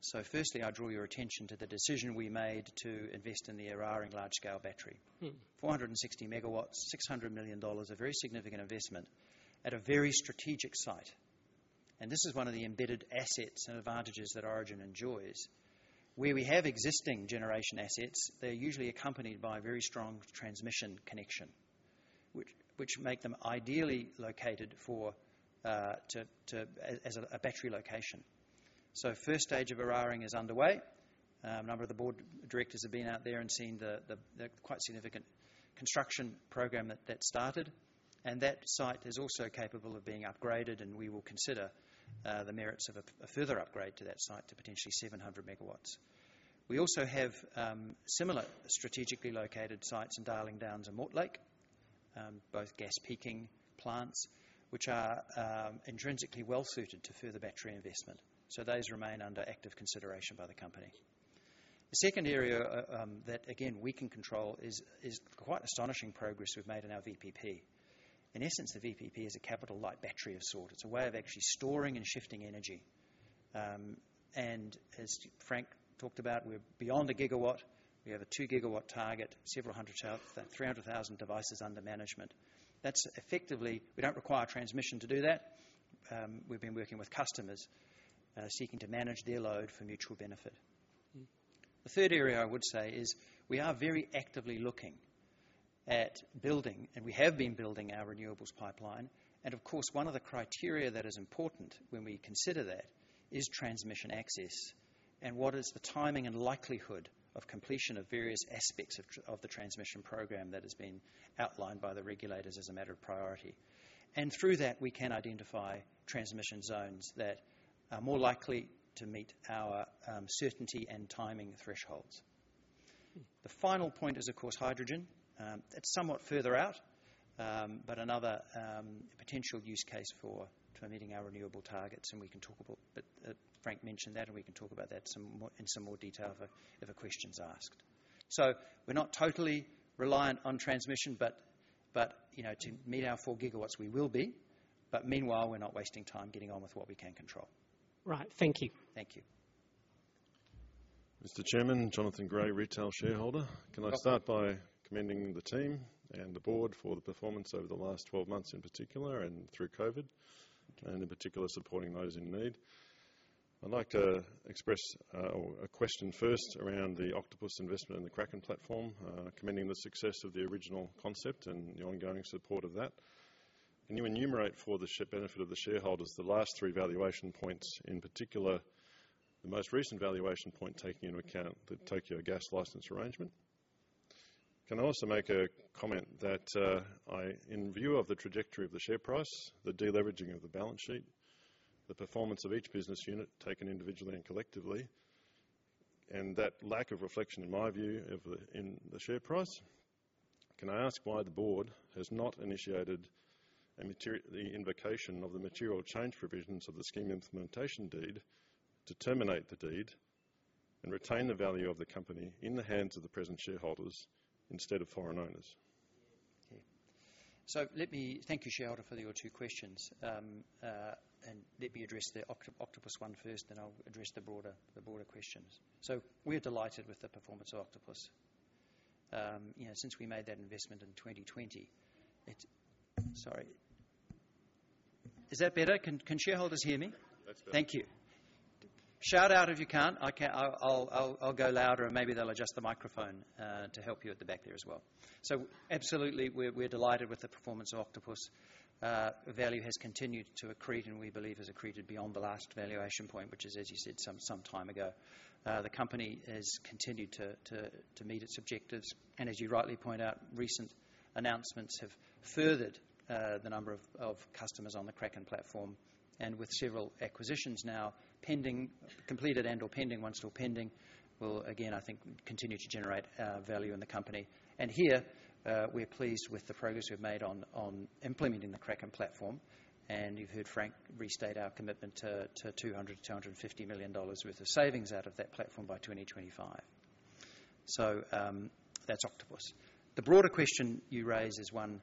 So firstly, I draw your attention to the decision we made to invest in the Eraring large-scale battery. Mm. 460 MW, 600 million dollars, a very significant investment at a very strategic site. This is one of the embedded assets and advantages that Origin enjoys. Where we have existing generation assets, they're usually accompanied by a very strong transmission connection, which make them ideally located for to as a battery location. So first stage of Eraring is underway. A number of the Board Directors have been out there and seen the quite significant construction program that started, and that site is also capable of being upgraded, and we will consider the merits of a further upgrade to that site to potentially 700 megawatts. We also have similar strategically located sites in Darling Downs and Mortlake, both gas peaking plants, which are intrinsically well-suited to further battery investment. So those remain under active consideration by the company. The second area that again, we can control is quite astonishing progress we've made in our VPP. In essence, the VPP is a capital light battery of sort. It's a way of actually storing and shifting energy. And as Frank talked about, we're beyond 1 GW. We have a 2-GW target, several hundred thousand, 300,000 devices under management. That's effectively. We don't require transmission to do that. We've been working with customers seeking to manage their load for mutual benefit. Mm. The third area I would say is we are very actively looking at building, and we have been building our renewables pipeline. Of course, one of the criteria that is important when we consider that is transmission access, and what is the timing and likelihood of completion of various aspects of the transmission program that has been outlined by the regulators as a matter of priority. Through that, we can identify transmission zones that are more likely to meet our certainty and timing thresholds. Mm. The final point is, of course, hydrogen. It's somewhat further out, but another potential use case for to meeting our renewable targets, and we can talk about, Frank mentioned that, and we can talk about that some more, in some more detail if a question's asked. So we're not totally reliant on transmission, but, you know, to meet our four gigawatts, we will be. But meanwhile, we're not wasting time getting on with what we can control. Right. Thank you. Thank you. Mr. Chairman, [Jonathan Gray], retail shareholder. Welcome. Can I start by commending the team and the Board for the performance over the last 12 months, in particular, and through COVID, and in particular, supporting those in need? I'd like to express or a question first around the Octopus investment in the Kraken platform, commending the success of the original concept and the ongoing support of that. Can you enumerate for the benefit of the shareholders, the last three valuation points, in particular, the most recent valuation point, taking into account the Tokyo Gas license arrangement? Can I also make a comment that, I, in view of the trajectory of the share price, the de-leveraging of the balance sheet, the performance of each business unit taken individually and collectively, and that lack of reflection, in my view, of the, in the share price, can I ask why the Board has not initiated the invocation of the material change provisions of the scheme implementation deed to terminate the deed and retain the value of the company in the hands of the present shareholders instead of foreign owners? So let me thank you, shareholder, for your two questions. And let me address the Octopus one first, then I'll address the broader questions. So we're delighted with the performance of Octopus. You know, since we made that investment in 2020, it, sorry. Is that better? Can shareholders hear me? That's better. Thank you. Shout out if you can't. I'll go louder, and maybe they'll adjust the microphone to help you at the back there as well. So absolutely, we're delighted with the performance of Octopus. Value has continued to accrete, and we believe has accreted beyond the last valuation point, which is, as you said, some time ago. The company has continued to meet its objectives, and as you rightly point out, recent announcements have furthered the number of customers on the Kraken platform. And with several acquisitions now pending, completed and/or pending, one still pending, will again, I think, continue to generate value in the company. And here, we're pleased with the progress we've made on implementing the Kraken platform, and you've heard Frank restate our commitment to 200 million-250 million dollars worth of savings out of that platform by 2025. So, that's Octopus. The broader question you raise is one,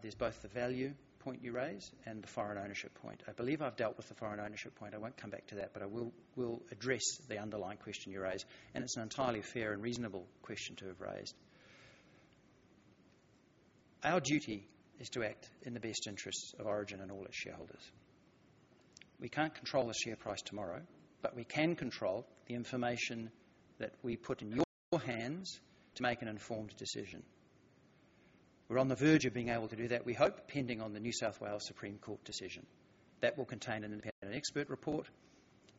there's both the value point you raise and the foreign ownership point. I believe I've dealt with the foreign ownership point. I won't come back to that, but I will address the underlying question you raised, and it's an entirely fair and reasonable question to have raised. Our duty is to act in the best interests of Origin and all its shareholders. We can't control the share price tomorrow, but we can control the information that we put in your hands to make an informed decision. We're on the verge of being able to do that, we hope, pending on the New South Wales Supreme Court decision. That will contain an independent expert report.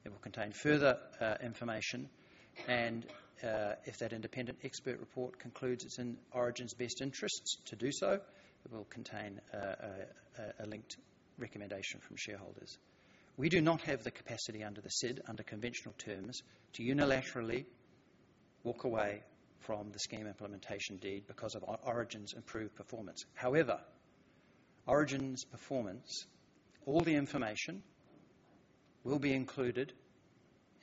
It will contain further information, and if that independent expert report concludes it's in Origin's best interests to do so, it will contain a linked recommendation from shareholders. We do not have the capacity under the SID, under conventional terms, to unilaterally walk away from the scheme implementation deed because of Origin's improved performance. However, Origin's performance, all the information, will be included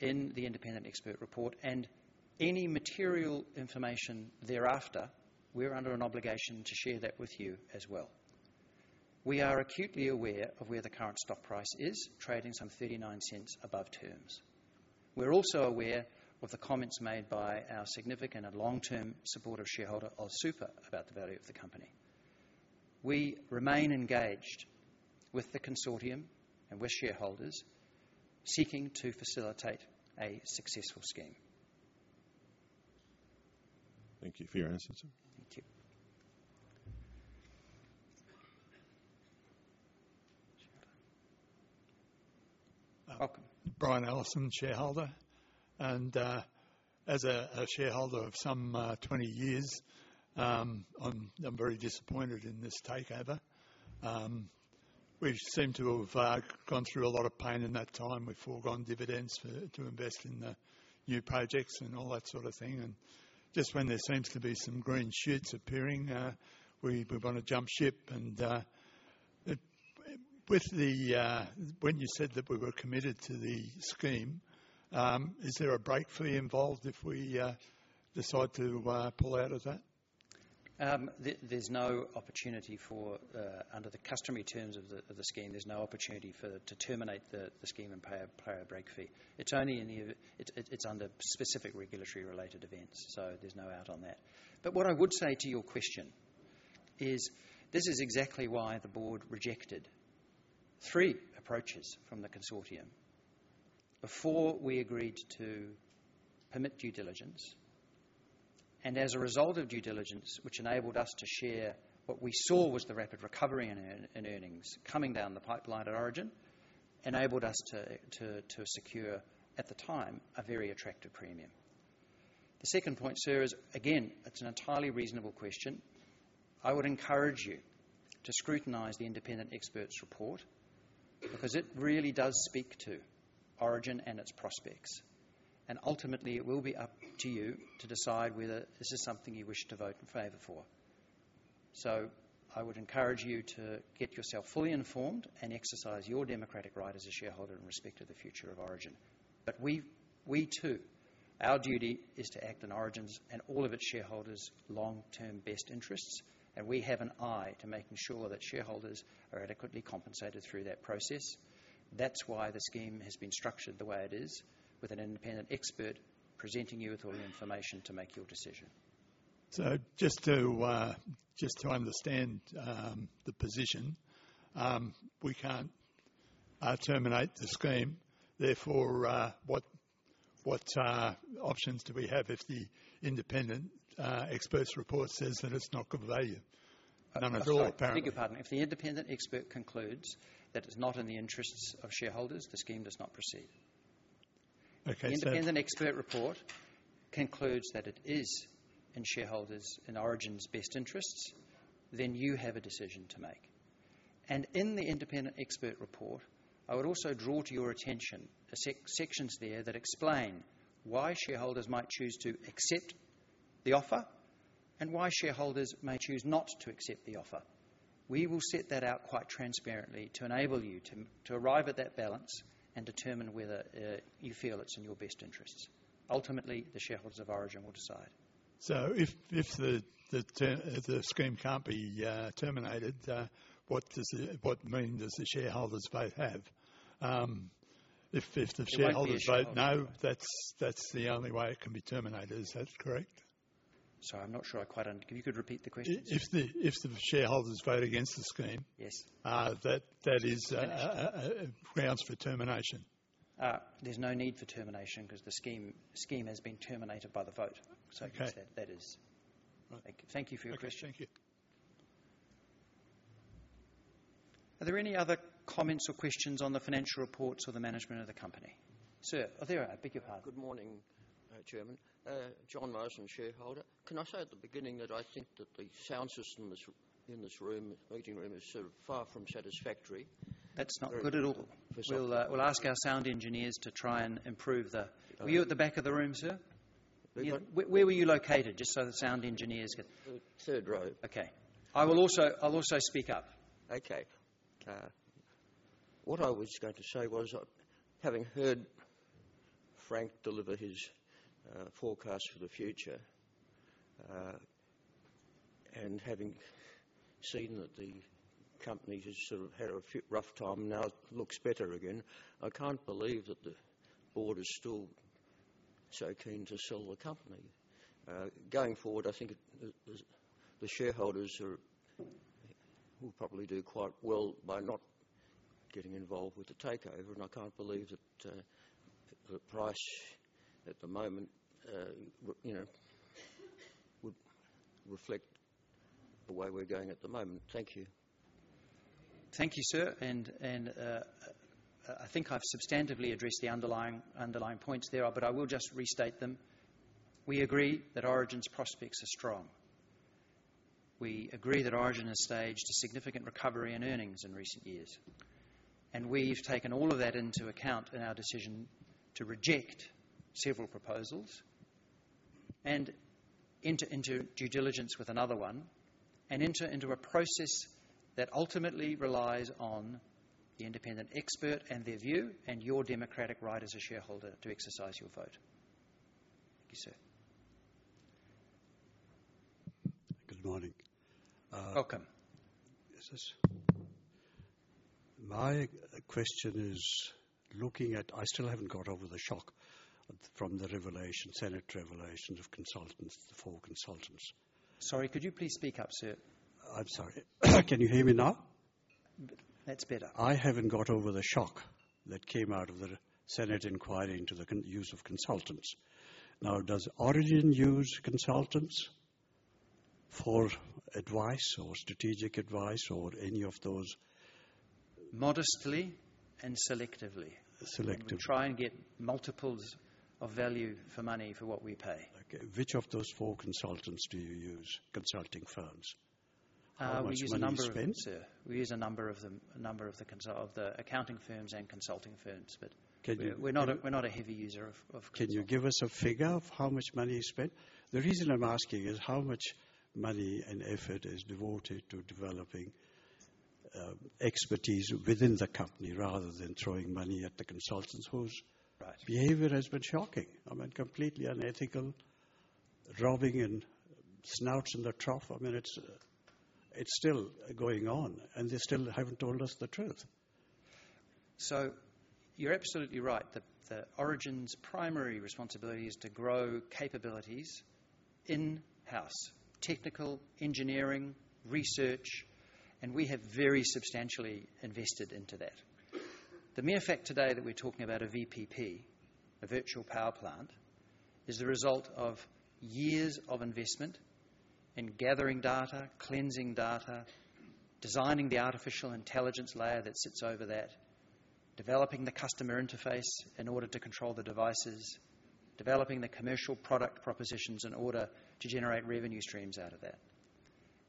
in the independent expert report and any material information thereafter, we're under an obligation to share that with you as well. We are acutely aware of where the current stock price is, trading some 0.39 above terms. We're also aware of the comments made by our significant and long-term supporter shareholder, AustralianSuper, about the value of the company. We remain engaged with the consortium and with shareholders seeking to facilitate a successful scheme. Thank you for your answer, sir. Thank you. Welcome. [Brian Allison], shareholder, and as a shareholder of some 20 years, I'm very disappointed in this takeover. We seem to have gone through a lot of pain in that time. We've foregone dividends to invest in the new projects and all that sort of thing, and just when there seems to be some green shoots appearing, we wanna jump ship and it. When you said that we were committed to the scheme, is there a break fee involved if we decide to pull out of that? There's no opportunity for, under the customary terms of the scheme, to terminate the scheme and pay a break fee. It's only under specific regulatory-related events, so there's no out on that. But what I would say to your question is, this is exactly why the Board rejected three approaches from the consortium before we agreed to permit due diligence. And as a result of due diligence, which enabled us to share what we saw was the rapid recovery in earnings coming down the pipeline at Origin, enabled us to secure, at the time, a very attractive premium. The second point, sir, is again, it's an entirely reasonable question. I would encourage you to scrutinize the independent expert's report because it really does speak to Origin and its prospects, and ultimately it will be up to you to decide whether this is something you wish to vote in favor for. I would encourage you to get yourself fully informed and exercise your democratic right as a shareholder in respect of the future of Origin. But we, we too, our duty is to act in Origin's and all of its shareholders' long-term best interests, and we have an eye to making sure that shareholders are adequately compensated through that process. That's why the scheme has been structured the way it is, with an independent expert presenting you with all the information to make your decision. So just to understand the position, we can't terminate the scheme. Therefore, what options do we have if the independent expert's report says that it's not good value? Number one, apparently- I beg your pardon. If the independent expert concludes that it's not in the interests of shareholders, the scheme does not proceed. Okay, so. If the independent expert report concludes that it is in shareholders' and Origin's best interests, then you have a decision to make. In the independent expert report, I would also draw to your attention the sections there that explain why shareholders might choose to accept the offer and why shareholders may choose not to accept the offer. We will set that out quite transparently to enable you to, to arrive at that balance and determine whether you feel it's in your best interests. Ultimately, the shareholders of Origin will decide. So if the scheme can't be terminated, what meaning does the shareholders vote have? If the shareholders vote no. It won't be a shareholder vote. That's the only way it can be terminated. Is that correct? Sorry, I'm not sure I quite understand. If you could repeat the question. If the shareholders vote against the scheme. Yes. Uh, that, that is, uh. Termination Grounds for termination. There's no need for termination 'cause the scheme, scheme has been terminated by the vote. Okay. So that is. Right. Thank you for your question. Okay, thank you. Are there any other comments or questions on the financial reports or the management of the company? Sir, Beg your pardon. Good morning, Chairman. [John Marsan], shareholder. Can I say at the beginning that I think that the sound system is, in this room, meeting room, is sort of far from satisfactory? That's not good at all. Yes. We'll, we'll ask our sound engineers to try and improve the- Uh. Were you at the back of the room, sir? Beg my. Where were you located? Just so the sound engineers can. Third row. Okay. I'll also speak up. Okay. What I was going to say was, having heard Frank deliver his forecast for the future, and having seen that the company has sort of had a few rough time, now it looks better again, I can't believe that the Board is still so keen to sell the company. Going forward, I think the shareholders are, will probably do quite well by not getting involved with the takeover, and I can't believe that the price at the moment, you know, would reflect the way we're going at the moment. Thank you. Thank you, sir, and I think I've substantively addressed the underlying points there, but I will just restate them. We agree that Origin's prospects are strong. We agree that Origin has staged a significant recovery in earnings in recent years, and we've taken all of that into account in our decision to reject several proposals and enter into due diligence with another one, and enter into a process that ultimately relies on the independent expert and their view, and your democratic right as a shareholder to exercise your vote. Thank you, sir. Good morning. Welcome. Is this? My question is, looking at, I still haven't got over the shock from the revelation, Senate revelation of consultants, the four consultants. Sorry, could you please speak up, sir? I'm sorry. Can you hear me now? That's better. I haven't got over the shock that came out of the Senate inquiry into the use of consultants. Now, does Origin use consultants for advice or strategic advice or any of those? Modestly and selectively. Selectively. We try and get multiples of value for money for what we pay. Okay, which of those four consultants do you use, consulting firms? How much money spent? We use a number of them, sir. We use a number of them, a number of the consultants of the accounting firms and consulting firms, but. Can you? We're not a heavy user of consultants. Can you give us a figure of how much money is spent? The reason I'm asking is how much money and effort is devoted to developing expertise within the company, rather than throwing money at the consultants whose behavior has been shocking. I mean, completely unethical, robbing and snouts in the trough. I mean, it's, it's still going on, and they still haven't told us the truth. So you're absolutely right that the Origin's primary responsibility is to grow capabilities in-house: technical, engineering, research, and we have very substantially invested into that. The mere fact today that we're talking about a VPP, a virtual power plant, is the result of years of investment in gathering data, cleansing data, designing the artificial intelligence layer that sits over that, developing the customer interface in order to control the devices, developing the commercial product propositions in order to generate revenue streams out of that.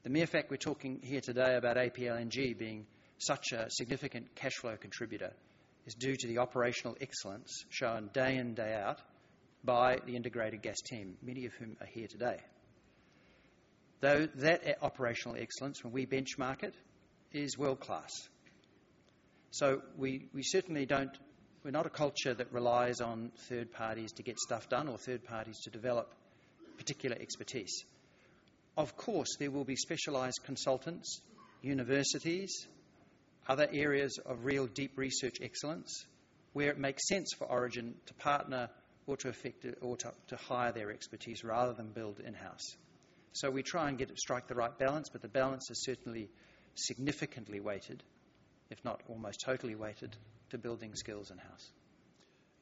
The mere fact we're talking here today about APLNG being such a significant cash flow contributor is due to the operational excellence shown day in, day out by the integrated gas team, many of whom are here today. Through that operational excellence, when we benchmark it, is world-class. So we certainly don't, we're not a culture that relies on third parties to get stuff done or third parties to develop particular expertise. Of course, there will be specialized consultants, universities-- other areas of real deep research excellence, where it makes sense for Origin to partner or to effect or to hire their expertise rather than build in-house. So we try and get it, strike the right balance, but the balance is certainly significantly weighted, if not almost totally weighted, to building skills in-house.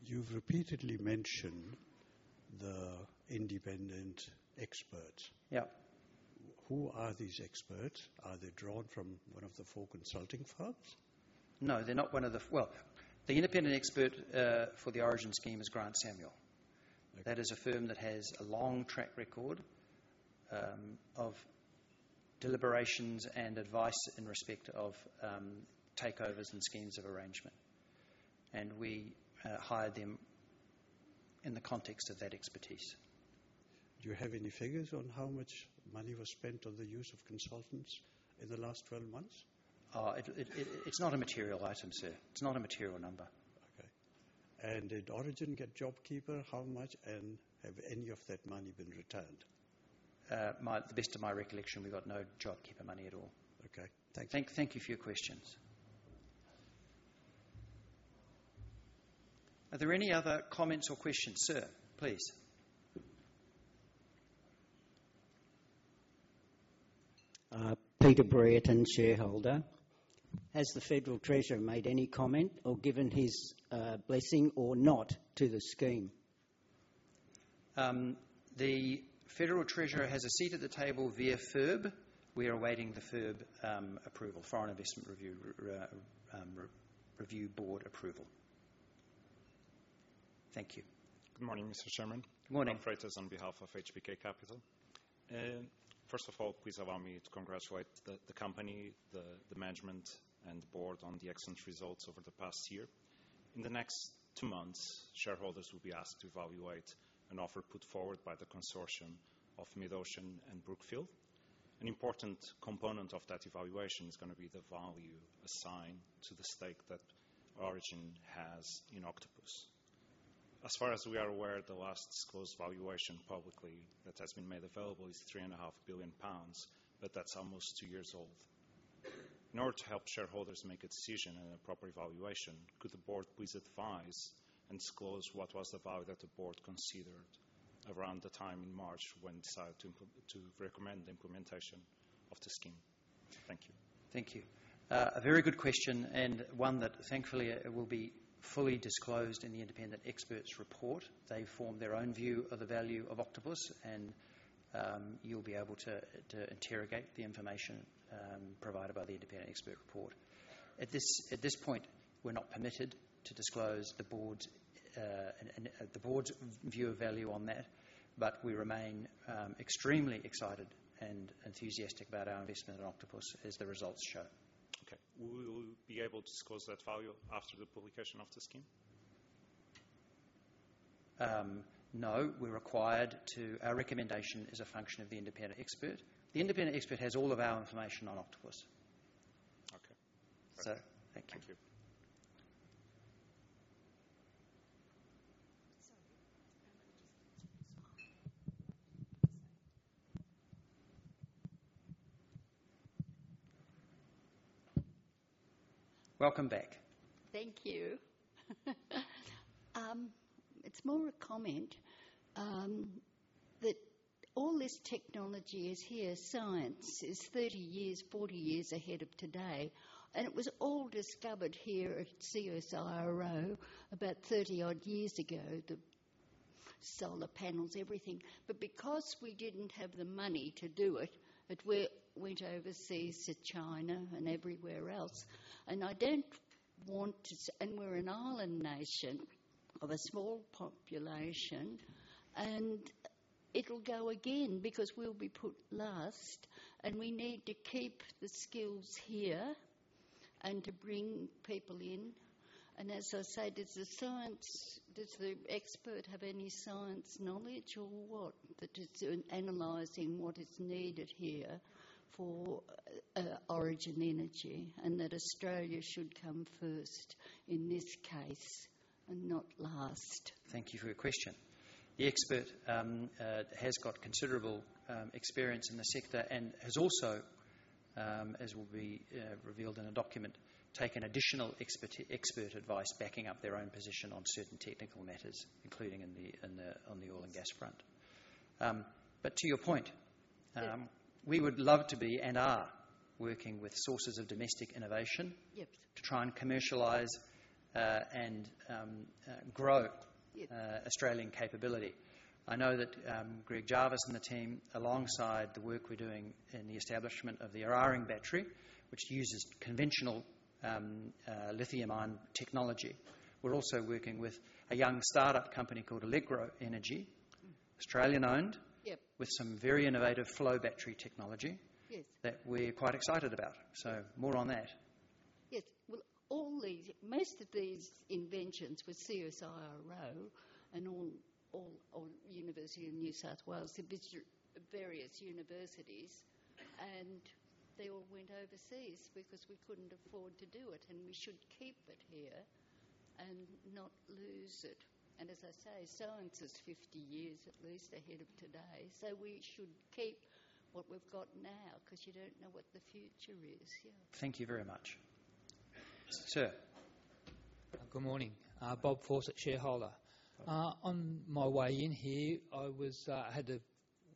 You've repeatedly mentioned the independent expert. Yep. Who are these experts? Are they drawn from one of the four consulting firms? No, they're not one of the. Well, the independent expert for the Origin scheme is Grant Samuel. That is a firm that has a long track record of deliberations and advice in respect of takeovers and schemes of arrangement, and we hire them in the context of that expertise. Do you have any figures on how much money was spent on the use of consultants in the last 12 months? It's not a material item, sir. It's not a material number. Okay. And did Origin get JobKeeper? How much, and have any of that money been returned? To the best of my recollection, we got no JobKeeper money at all. Okay, thank you. Thank you for your questions. Are there any other comments or questions? Sir, please. [Peter Breaton], shareholder. Has the Federal Treasurer made any comment or given his blessing or not to the scheme? The Federal Treasurer has a seat at the table via FIRB. We are awaiting the FIRB approval, Foreign Investment Review Board approval. Thank you. Good morning, Mr. Chairman. Good morning. Matt Leffers on behalf of HBK Capital. First of all, please allow me to congratulate the company, the management, and Board on the excellent results over the past year. In the next two months, shareholders will be asked to evaluate an offer put forward by the consortium of MidOcean and Brookfield. An important component of that evaluation is going to be the value assigned to the stake that Origin has in Octopus. As far as we are aware, the last disclosed valuation publicly that has been made available is 3.5 billion pounds, but that's almost two years old. In order to help shareholders make a decision and a proper evaluation, could the Board please advise and disclose what was the value that the Board considered around the time in March when decided to recommend the implementation of the scheme? Thank you. Thank you. A very good question, and one that thankfully will be fully disclosed in the independent expert's report. They form their own view of the value of Octopus, and you'll be able to interrogate the information provided by the independent expert report. At this point, we're not permitted to disclose the Board's view of value on that, but we remain extremely excited and enthusiastic about our investment in Octopus, as the results show. Okay. Will you be able to disclose that value after the publication of the scheme? No. We're required to, our recommendation is a function of the independent expert. The independent expert has all of our information on Octopus. Okay. Thank you. Thank you. Sorry. Welcome back. Thank you. It's more a comment that all this technology is here. Science is 30 years, 40 years ahead of today, and it was all discovered here at CSIRO about 30-odd years ago, the solar panels, everything. But because we didn't have the money to do it, it went overseas to China and everywhere else. And I don't want to. And we're an island nation of a small population, and it'll go again because we'll be put last, and we need to keep the skills here and to bring people in. And as I say, does the science, does the expert have any science knowledge or what, that is in analyzing what is needed here for Origin Energy, and that Australia should come first in this case and not last? Thank you for your question. The expert has got considerable experience in the sector and has also, as will be revealed in a document, taken additional expert advice, backing up their own position on certain technical matters, including on the oil and gas front. But to your point, we would love to be, and are, working with sources of domestic innovation to try and commercialize and grow Australian capability. I know that, Greg Jarvis and the team, alongside the work we're doing in the establishment of the Eraring Battery, which uses conventional, lithium-ion technology, we're also working with a young startup company called Allegro Energy, Australian-owned with some very innovative flow battery technology that we're quite excited about. So more on that. Yes. Well, all these, most of these inventions with CSIRO and University of New South Wales, the various universities, and they all went overseas because we couldn't afford to do it, and we should keep it here... and not lose it. And as I say, science is 50 years at least ahead of today, so we should keep what we've got now, 'cause you don't know what the future is. Yeah. Thank you very much. Sir? Good morning. [Bob Fawcett], shareholder. On my way in here, I was, I had to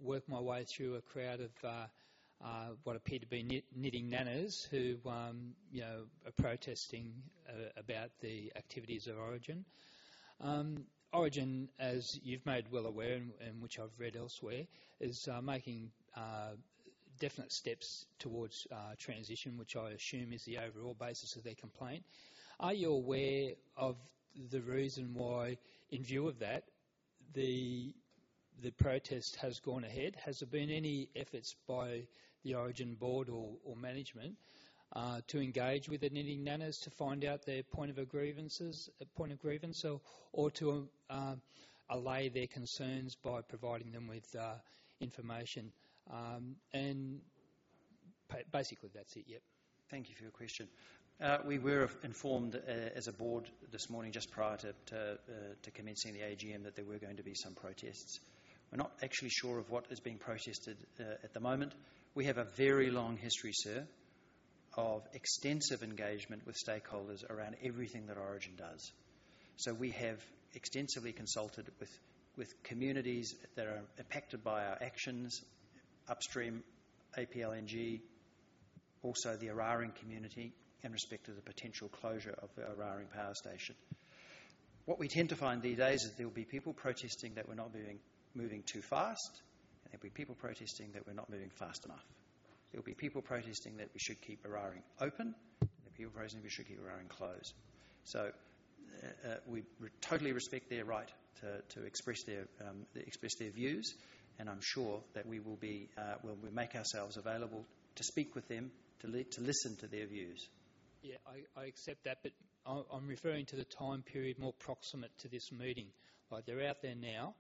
work my way through a crowd of, what appeared to be Knitting Nannas who, you know, are protesting, about the activities of Origin. Origin, as you've made well aware, and, and which I've read elsewhere, is, making, definite steps towards, transition, which I assume is the overall basis of their complaint. Are you aware of the reason why, in view of that, the protest has gone ahead? Has there been any efforts by the Origin Board or, management, to engage with the Knitting Nannas to find out their point of grievances, point of grievance or, to, allay their concerns by providing them with, information? And basically, that's it, yep. Thank you for your question. We were informed, as a Board this morning, just prior to commencing the AGM, that there were going to be some protests. We're not actually sure of what is being protested at the moment. We have a very long history, sir, of extensive engagement with stakeholders around everything that Origin does. So we have extensively consulted with communities that are impacted by our actions, upstream, APLNG, also the Eraring community in respect to the potential closure of the Eraring Power Station. What we tend to find these days is there will be people protesting that we're not moving too fast, and there'll be people protesting that we're not moving fast enough. There will be people protesting that we should keep Eraring open, and people protesting we should keep Eraring closed. So, we totally respect their right to express their views, and I'm sure that we'll make ourselves available to speak with them, to listen to their views. Yeah, I accept that, but I'm referring to the time period more proximate to this meeting. Like, they're out there now.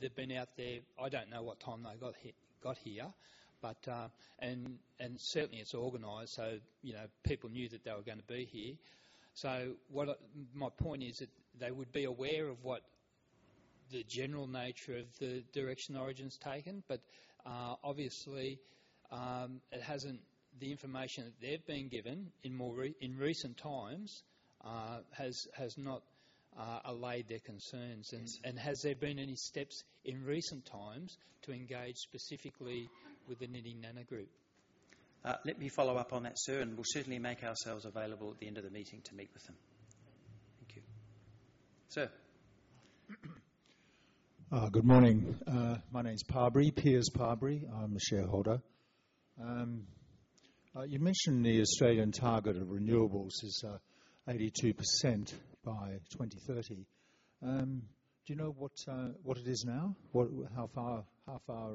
They've been out there... I don't know what time they got here, but and certainly it's organized, so, you know, people knew that they were going to be here. So what my point is that they would be aware of what the general nature of the direction Origin's taken, but, obviously, it hasn't, the information that they've been given in more recent times, has not allayed their concerns. Mm. Has there been any steps in recent times to engage specifically with the Knitting Nanna group? Let me follow up on that, sir, and we'll certainly make ourselves available at the end of the meeting to meet with them. Thank you. Sir? Good morning. My name's [Parbury], [Piers Parbury]. I'm a shareholder. You mentioned the Australian target of renewables is 82% by 2030. Do you know what it is now? What, how far, how far,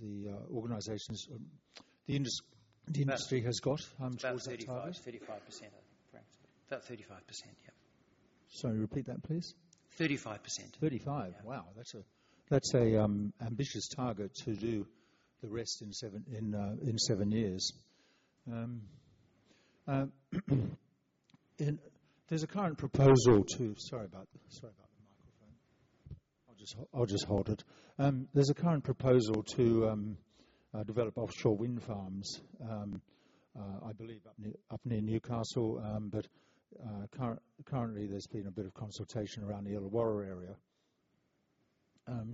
the organizations or the industry has got towards that target? 35%, 35%, approximately. About 35%, yeah. Sorry, repeat that, please. 35%. 35%? Yeah. Wow, that's an ambitious target to do the rest in seven years. And there's a current proposal to, sorry about the microphone. I'll just hold it. There's a current proposal to develop offshore wind farms, I believe up near Newcastle, but currently, there's been a bit of consultation around the Illawarra area.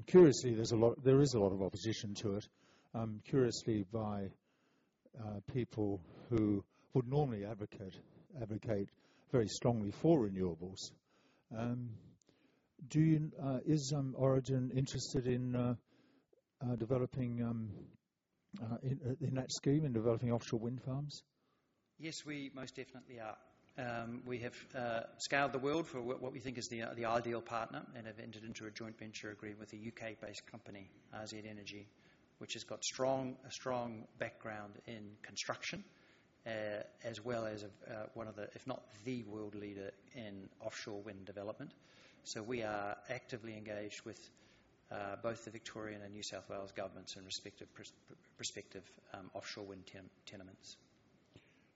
Curiously, there is a lot of opposition to it, curiously by people who would normally advocate very strongly for renewables. Do you, is Origin interested in developing, in that scheme, in developing offshore wind farms? Yes, we most definitely are. We have scoured the world for what we think is the ideal partner and have entered into a joint venture agreement with a U.K.-based company, [RZ Energy], which has got a strong background in construction, as well as one of the, if not the world leader in offshore wind development. So we are actively engaged with both the Victorian and New South Wales governments in respective offshore wind tenements.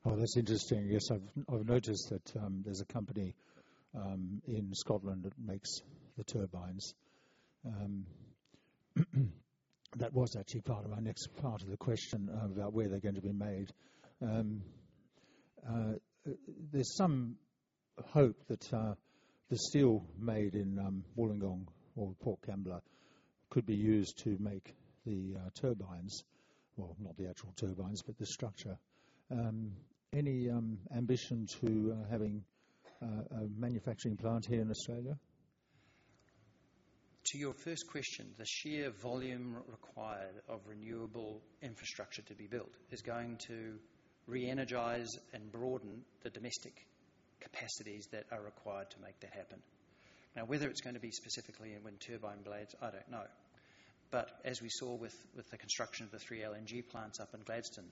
Oh, that's interesting. Yes, I've noticed that there's a company in Scotland that makes the turbines. That was actually part of my next part of the question about where they're going to be made. There's some hope that the steel made in Wollongong or Port Kembla could be used to make the turbines, or not the actual turbines, but the structure. Any ambition to having a manufacturing plant here in Australia? To your first question, the sheer volume required of renewable infrastructure to be built is going to re-energize and broaden the domestic capacities that are required to make that happen. Now, whether it's going to be specifically in wind turbine blades, I don't know. But as we saw with the construction of the three LNG plants up in Gladstone,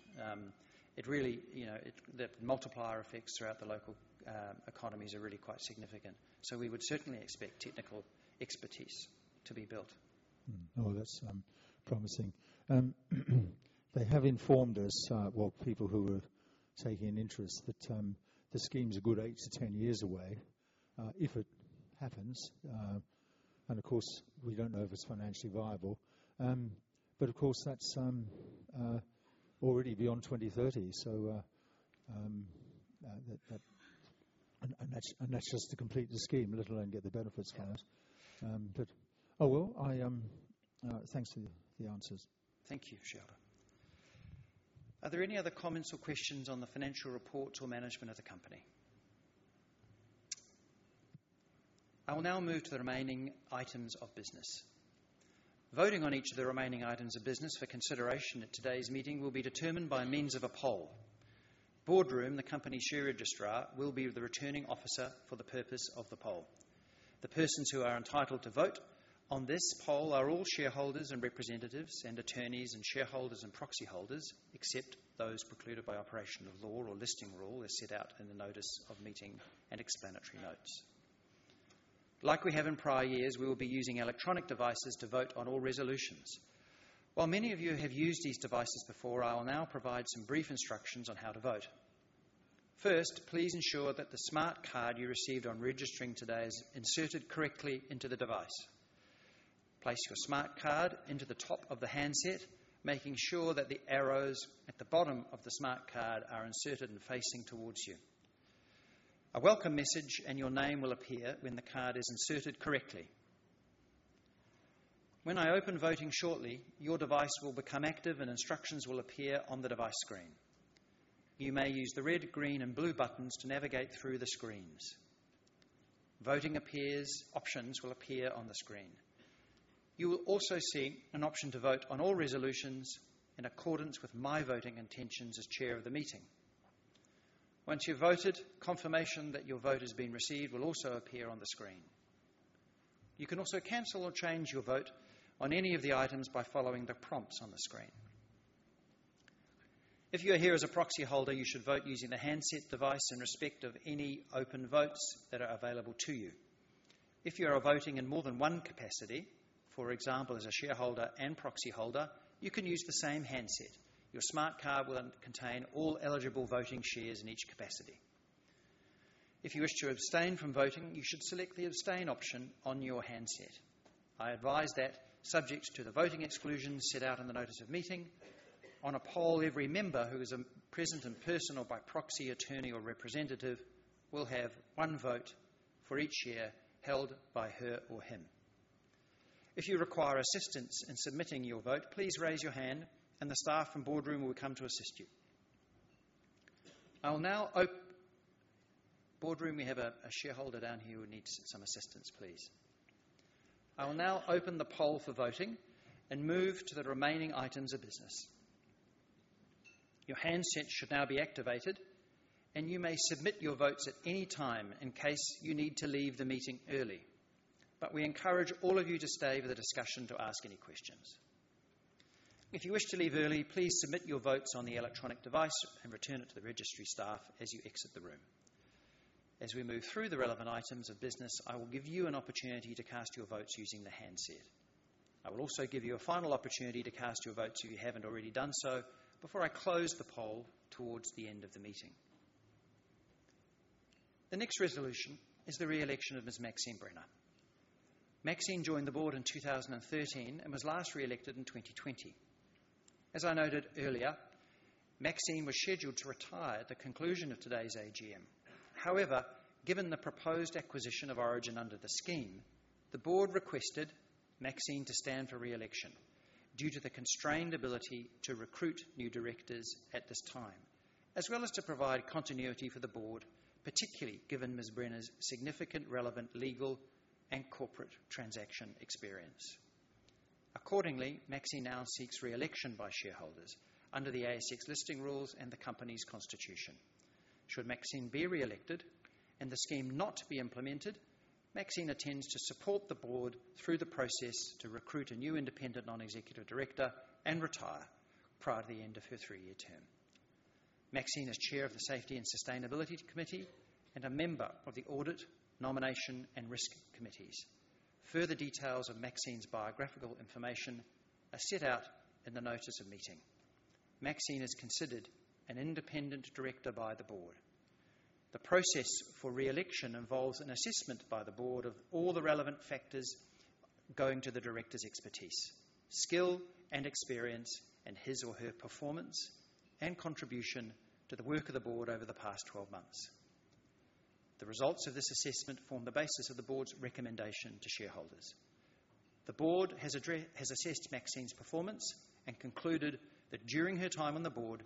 it really, you know, the multiplier effects throughout the local economies are really quite significant. So we would certainly expect technical expertise to be built. Mm, oh, that's promising. They have informed us, well, people who are taking an interest, that the scheme's a good eight to 10 years away, if it happens. And of course, we don't know if it's financially viable. But of course, that's already beyond 2030. So, that, and that's just to complete the scheme, let alone get the benefits from it. But oh well, I, thanks for the answers. Thank you, shareholder. Are there any other comments or questions on the financial reports or management of the company? I will now move to the remaining items of business. Voting on each of the remaining items of business for consideration at today's meeting will be determined by means of a poll. Boardroom, the company share registrar, will be the returning officer for the purpose of the poll. The persons who are entitled to vote on this poll are all shareholders and representatives, and attorneys, and shareholders, and proxyholders, except those precluded by operation of law or listing rule as set out in the notice of meeting and explanatory notes. Like we have in prior years, we will be using electronic devices to vote on all resolutions. While many of you have used these devices before, I will now provide some brief instructions on how to vote. First, please ensure that the smart card you received on registering today is inserted correctly into the device. Place your smart card into the top of the handset, making sure that the arrows at the bottom of the smart card are inserted and facing towards you. A welcome message and your name will appear when the card is inserted correctly. When I open voting shortly, your device will become active, and instructions will appear on the device screen. You may use the red, green, and blue buttons to navigate through the screens. Voting appears. Options will appear on the screen. You will also see an option to vote on all resolutions in accordance with my voting intentions as chair of the meeting. Once you've voted, confirmation that your vote has been received will also appear on the screen. You can also cancel or change your vote on any of the items by following the prompts on the screen. If you are here as a proxyholder, you should vote using the handset device in respect of any open votes that are available to you. If you are voting in more than one capacity, for example, as a shareholder and proxyholder, you can use the same handset. Your smart card will contain all eligible voting shares in each capacity. If you wish to abstain from voting, you should select the abstain option on your handset. I advise that subject to the voting exclusions set out in the notice of meeting, on a poll, every member who is present in person or by proxy, attorney, or representative, will have one vote for each share held by her or him. If you require assistance in submitting your vote, please raise your hand, and the staff from Boardroom will come to assist you. I will now. Boardroom, we have a shareholder down here who needs some assistance, please. I will now open the poll for voting and move to the remaining items of business. Your handsets should now be activated, and you may submit your votes at any time in case you need to leave the meeting early. But we encourage all of you to stay for the discussion to ask any questions. If you wish to leave early, please submit your votes on the electronic device and return it to the registry staff as you exit the room. As we move through the relevant items of business, I will give you an opportunity to cast your votes using the handset. I will also give you a final opportunity to cast your votes if you haven't already done so, before I close the poll towards the end of the meeting. The next resolution is the re-election of Ms. Maxine Brenner. Maxine joined the Board in 2013 and was last re-elected in 2020. As I noted earlier, Maxine was scheduled to retire at the conclusion of today's AGM. However, given the proposed acquisition of Origin under the scheme, the Board requested Maxine to stand for re-election due to the constrained ability to recruit new directors at this time, as well as to provide continuity for the Board, particularly given Ms. Brenner's significant relevant legal and corporate transaction experience. Accordingly, Maxine now seeks re-election by shareholders under the ASX listing rules and the company's constitution. Should Maxine be re-elected and the scheme not be implemented, Maxine intends to support the Board through the process to recruit a new independent non-executive director and retire prior to the end of her three-year term. Maxine is Chair of the Safety and Sustainability Committee and a member of the Audit, Nomination, and Risk Committees. Further details of Maxine's biographical information are set out in the notice of meeting. Maxine is considered an independent director by the Board. The process for re-election involves an assessment by the Board of all the relevant factors going to the director's expertise, skill and experience, and his or her performance and contribution to the work of the Board over the past twelve months. The results of this assessment form the basis of the Board's recommendation to shareholders. The Board has assessed Maxine's performance and concluded that during her time on the Board,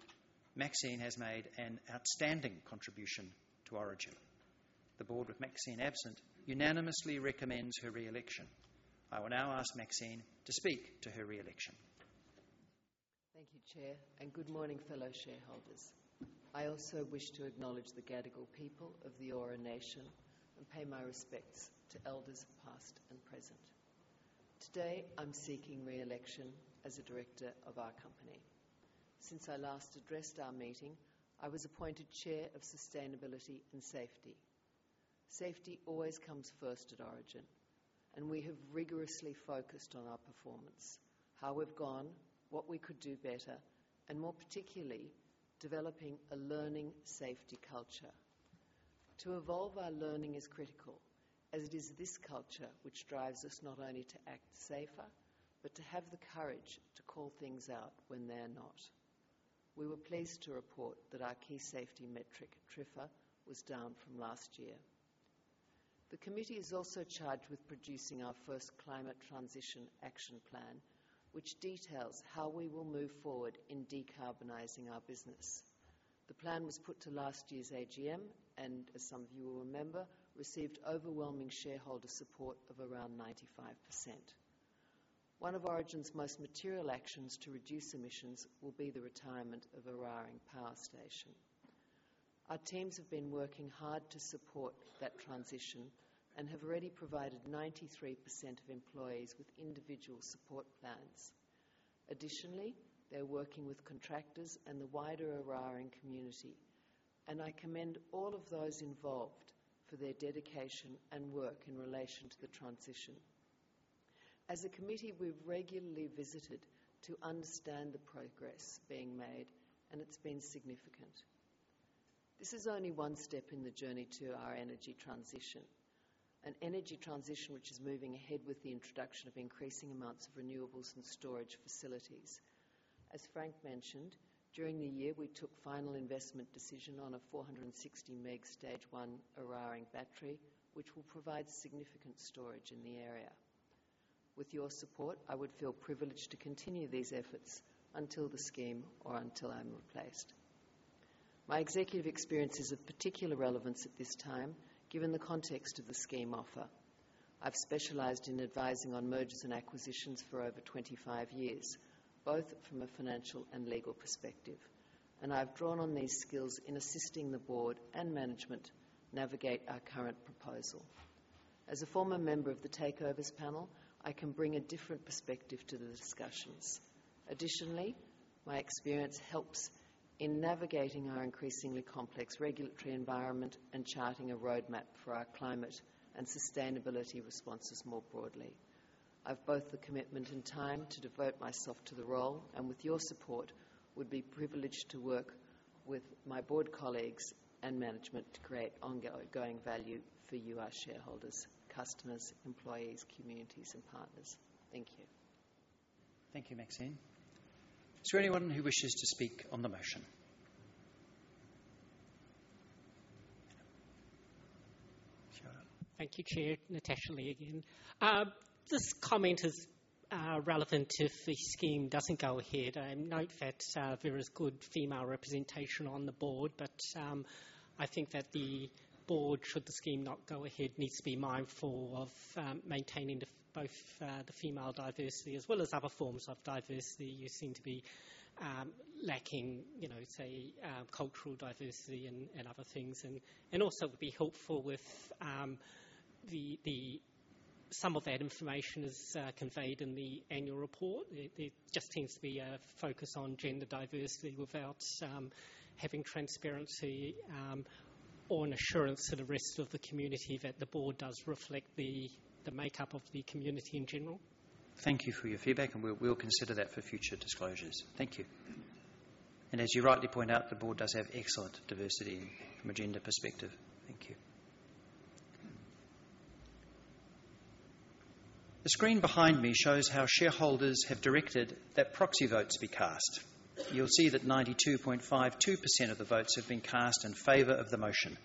Maxine has made an outstanding contribution to Origin. The Board, with Maxine absent, unanimously recommends her re-election. I will now ask Maxine to speak to her re-election. Thank you, Chair, and good morning, fellow shareholders. I also wish to acknowledge the Gadigal people of the Eora nation and pay my respects to elders, past and present. Today, I'm seeking re-election as a director of our company. Since I last addressed our meeting, I was appointed Chair of Sustainability and Safety. Safety always comes first at Origin, and we have rigorously focused on our performance, how we've gone, what we could do better, and more particularly, developing a learning safety culture. To evolve our learning is critical, as it is this culture which drives us not only to act safer, but to have the courage to call things out when they are not. We were pleased to report that our key safety metric, TRIFR, was down from last year. The committee is also charged with producing our first Climate Transition Action Plan, which details how we will move forward in decarbonizing our business. The plan was put to last year's AGM, and as some of you will remember, received overwhelming shareholder support of around 95%. One of Origin's most material actions to reduce emissions will be the retirement of Eraring Power Station. Our teams have been working hard to support that transition and have already provided 93% of employees with individual support plans. Additionally, they're working with contractors and the wider Eraring community, and I commend all of those involved for their dedication and work in relation to the transition. As a committee, we've regularly visited to understand the progress being made, and it's been significant. This is only one step in the journey to our energy transition, an energy transition which is moving ahead with the introduction of increasing amounts of renewables and storage facilities. As Frank mentioned, during the year, we took final investment decision on a 460 MW Stage 1 Eraring Battery, which will provide significant storage in the area. With your support, I would feel privileged to continue these efforts until the scheme or until I'm replaced. My executive experience is of particular relevance at this time, given the context of the scheme offer. I've specialized in advising on mergers and acquisitions for over 25 years, both from a financial and legal perspective, and I've drawn on these skills in assisting the Board and management navigate our current proposal. As a former member of the Takeovers Panel, I can bring a different perspective to the discussions. Additionally, my experience helps in navigating our increasingly complex regulatory environment and charting a roadmap for our climate and sustainability responses more broadly. I've both the commitment and time to devote myself to the role, and with your support, would be privileged to work with my Board colleagues and management to create ongoing, ongoing value for you, our shareholders, customers, employees, communities, and partners. Thank you. Thank you, Maxine. Is there anyone who wishes to speak on the motion? Shareholder. Thank you, Chair. [Natasha Lee] again. This comment is relevant if the scheme doesn't go ahead. I note that there is good female representation on the Board, but I think that the Board, should the scheme not go ahead, needs to be mindful of maintaining the both the female diversity as well as other forms of diversity. You seem to be lacking, you know, say, cultural diversity and other things. And also it would be helpful if some of that information is conveyed in the annual report. There just seems to be a focus on gender diversity without having transparency or an assurance to the rest of the community that the Board does reflect the makeup of the community in general. Thank you for your feedback, and we'll consider that for future disclosures. Thank you. As you rightly point out, the Board does have excellent diversity from a gender perspective. Thank you. The screen behind me shows how shareholders have directed that proxy votes be cast. You'll see that 92.52% of the votes have been cast in favor of the motion.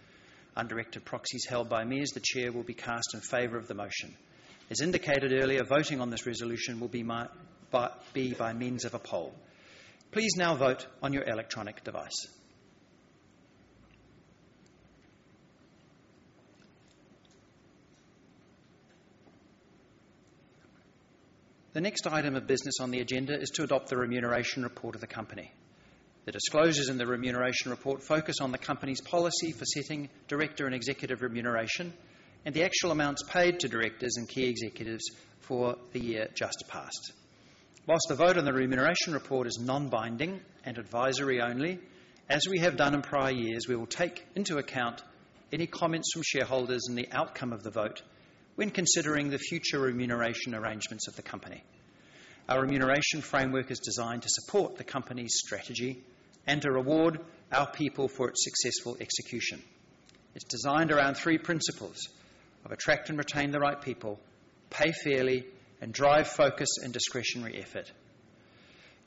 Undirected proxies held by me as the Chair will be cast in favor of the motion. As indicated earlier, voting on this resolution will be by means of a poll. Please now vote on your electronic device. The next item of business on the agenda is to adopt the remuneration report of the company. The disclosures in the remuneration report focus on the company's policy for setting director and executive remuneration and the actual amounts paid to directors and key executives for the year just past. While the vote on the remuneration report is non-binding and advisory only, as we have done in prior years, we will take into account any comments from shareholders and the outcome of the vote when considering the future remuneration arrangements of the company. Our remuneration framework is designed to support the company's strategy and to reward our people for its successful execution. It's designed around three principles of attract and retain the right people, pay fairly, and drive focus and discretionary effort.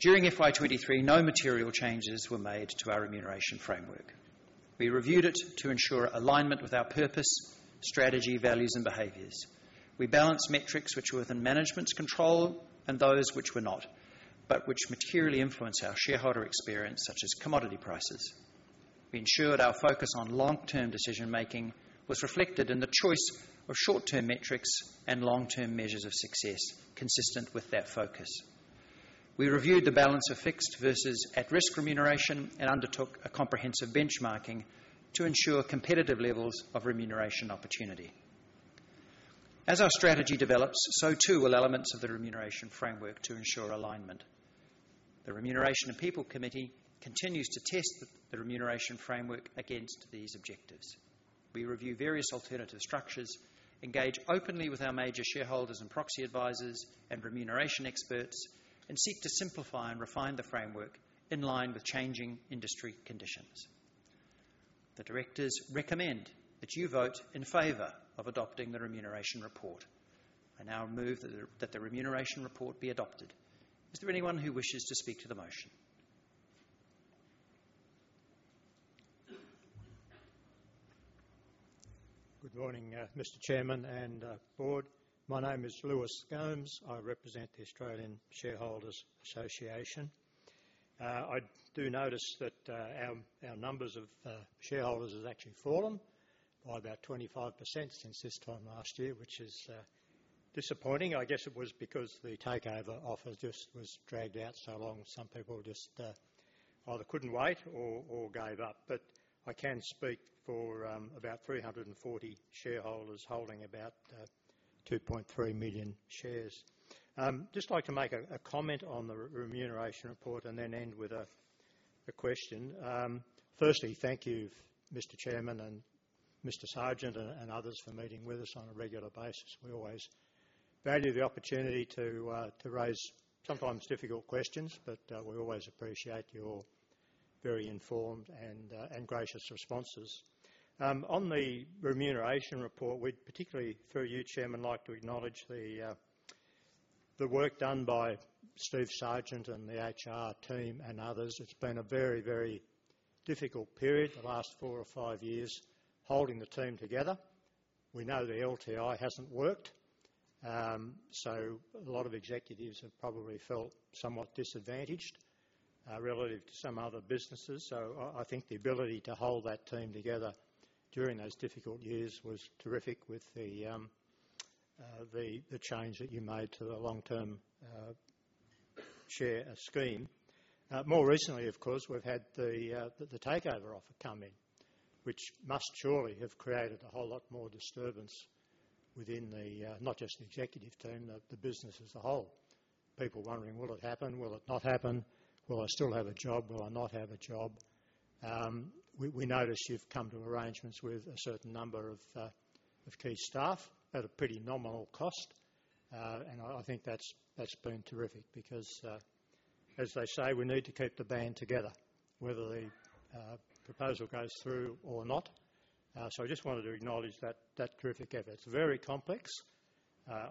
During FY 2023, no material changes were made to our remuneration framework. We reviewed it to ensure alignment with our purpose, strategy, values, and behaviors. We balanced metrics which were within management's control and those which were not, but which materially influence our shareholder experience, such as commodity prices. We ensured our focus on long-term decision-making was reflected in the choice of short-term metrics and long-term measures of success, consistent with that focus. We reviewed the balance of fixed versus at-risk remuneration and undertook a comprehensive benchmarking to ensure competitive levels of remuneration opportunity. As our strategy develops, so too will elements of the remuneration framework to ensure alignment. The Remuneration and People Committee continues to test the remuneration framework against these objectives. We review various alternative structures, engage openly with our major shareholders and proxy advisors and remuneration experts, and seek to simplify and refine the framework in line with changing industry conditions. The directors recommend that you vote in favor of adopting the remuneration report. I now move that the remuneration report be adopted. Is there anyone who wishes to speak to the motion? Good morning, Mr. Chairman and Board. My name is Lewis Gomes. I represent the Australian Shareholders Association. I do notice that our numbers of shareholders has actually fallen by about 25% since this time last year, which is disappointing. I guess it was because the takeover offer just was dragged out so long. Some people just either couldn't wait or gave up. But I can speak for about 340 shareholders holding about 2.3 million shares. Just like to make a comment on the remuneration report and then end with a question. Firstly, thank you, Mr. Chairman and Mr. Sargent and others, for meeting with us on a regular basis. We always value the opportunity to raise sometimes difficult questions, but we always appreciate your very informed and gracious responses. On the remuneration report, we'd particularly, through you, Chairman, like to acknowledge the work done by Steve Sargent and the HR team and others. It's been a very, very difficult period, the last four or five years, holding the team together. We know the LTI hasn't worked, so a lot of executives have probably felt somewhat disadvantaged relative to some other businesses. So I think the ability to hold that team together during those difficult years was terrific with the change that you made to the long-term share scheme. More recently, of course, we've had the takeover offer come in, which must surely have created a whole lot more disturbance within the, not just the executive team, the business as a whole. People wondering, "Will it happen? Will it not happen? Will I still have a job? Will I not have a job?" We notice you've come to arrangements with a certain number of key staff at a pretty nominal cost, and I think that's been terrific because, as they say, we need to keep the band together, whether the proposal goes through or not. So I just wanted to acknowledge that terrific effort. It's very complex,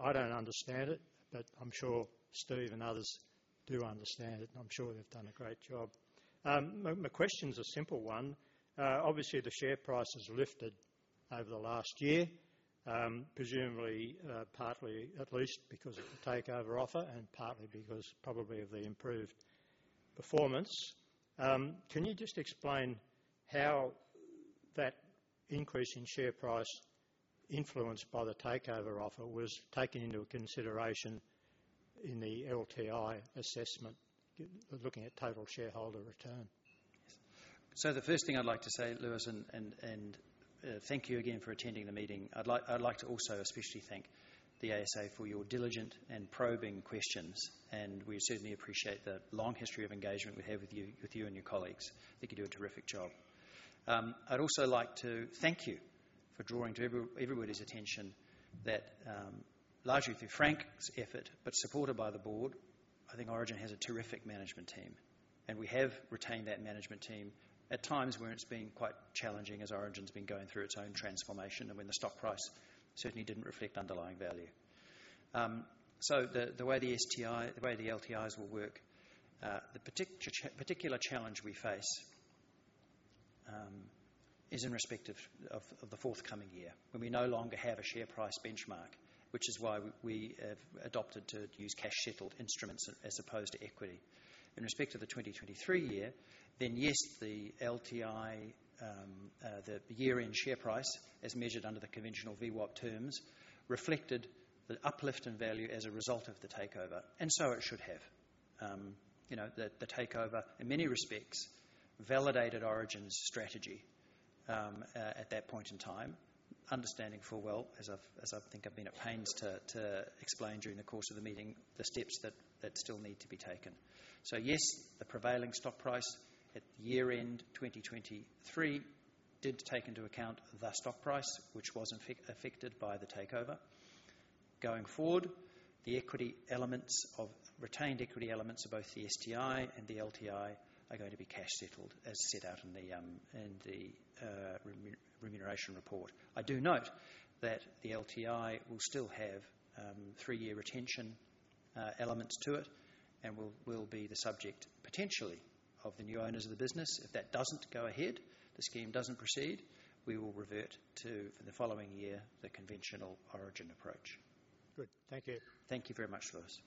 I don't understand it, but I'm sure Steve and others do understand it, and I'm sure they've done a great job. My question's a simple one. Obviously, the share price has lifted over the last year, presumably, partly at least because of the takeover offer and partly because probably of the improved performance. Can you just explain how that increase in share price, influenced by the takeover offer, was taken into consideration in the LTI assessment, looking at total shareholder return? So the first thing I'd like to say, Lewis, thank you again for attending the meeting. I'd like to also especially thank the ASA for your diligent and probing questions, and we certainly appreciate the long history of engagement we have with you and your colleagues. I think you do a terrific job. I'd also like to thank you for drawing to everybody's attention that, largely through Frank's effort, but supported by the Board, I think Origin has a terrific Management Team, and we have retained that Management Team at times when it's been quite challenging as Origin's been going through its own transformation and when the stock price certainly didn't reflect underlying value. So the way the STI... The way the LTIs will work, the particular challenge we face is in respect of the forthcoming year, when we no longer have a share price benchmark, which is why we have adopted to use cash-settled instruments as opposed to equity. In respect of the 2023 year, then, yes, the LTI, the year-end share price, as measured under the conventional VWAP terms, reflected the uplift in value as a result of the takeover, and so it should have. You know, the takeover, in many respects, validated Origin's strategy at that point in time, understanding full well, as I think I've been at pains to explain during the course of the meeting, the steps that still need to be taken. So yes, the prevailing stock price at year-end 2023 did take into account the stock price, which was affected by the takeover. Going forward, the retained equity elements of both the STI and the LTI are going to be cash-settled, as set out in the remuneration report. I do note that the LTI will still have three-year retention elements to it and will be the subject, potentially, of the new owners of the business. If that doesn't go ahead, the scheme doesn't proceed, we will revert to, for the following year, the conventional Origin approach. Good. Thank you. Thank you very much, Lewis.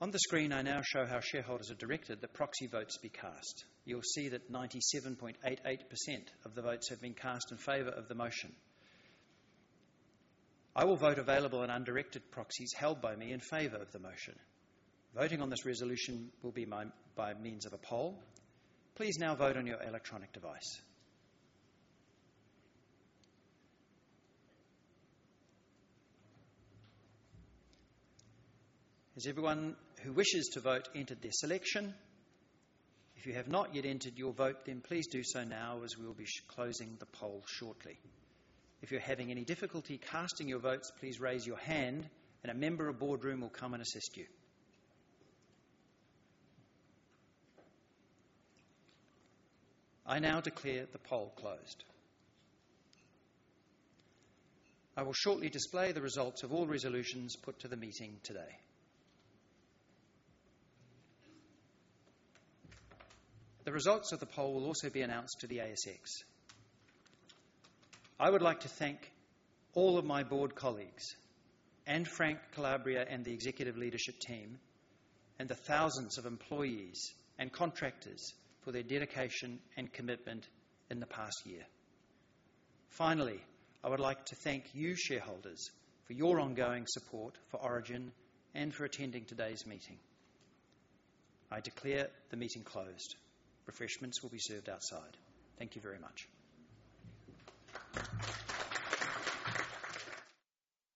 On the screen, I now show how shareholders have directed that proxy votes be cast. You'll see that 97.88% of the votes have been cast in favor of the motion. I will vote available and undirected proxies held by me in favor of the motion. Voting on this resolution will now be by means of a poll. Please now vote on your electronic device. Has everyone who wishes to vote entered their selection? If you have not yet entered your vote, then please do so now, as we will be closing the poll shortly. If you're having any difficulty casting your votes, please raise your hand, and a member of Boardroom will come and assist you. I now declare the poll closed. I will shortly display the results of all resolutions put to the meeting today. The results of the poll will also be announced to the ASX. I would like to thank all of my Board colleagues and Frank Calabria and the executive leadership team and the thousands of employees and contractors for their dedication and commitment in the past year. Finally, I would like to thank you, shareholders, for your ongoing support for Origin and for attending today's meeting. I declare the meeting closed. Refreshments will be served outside. Thank you very much.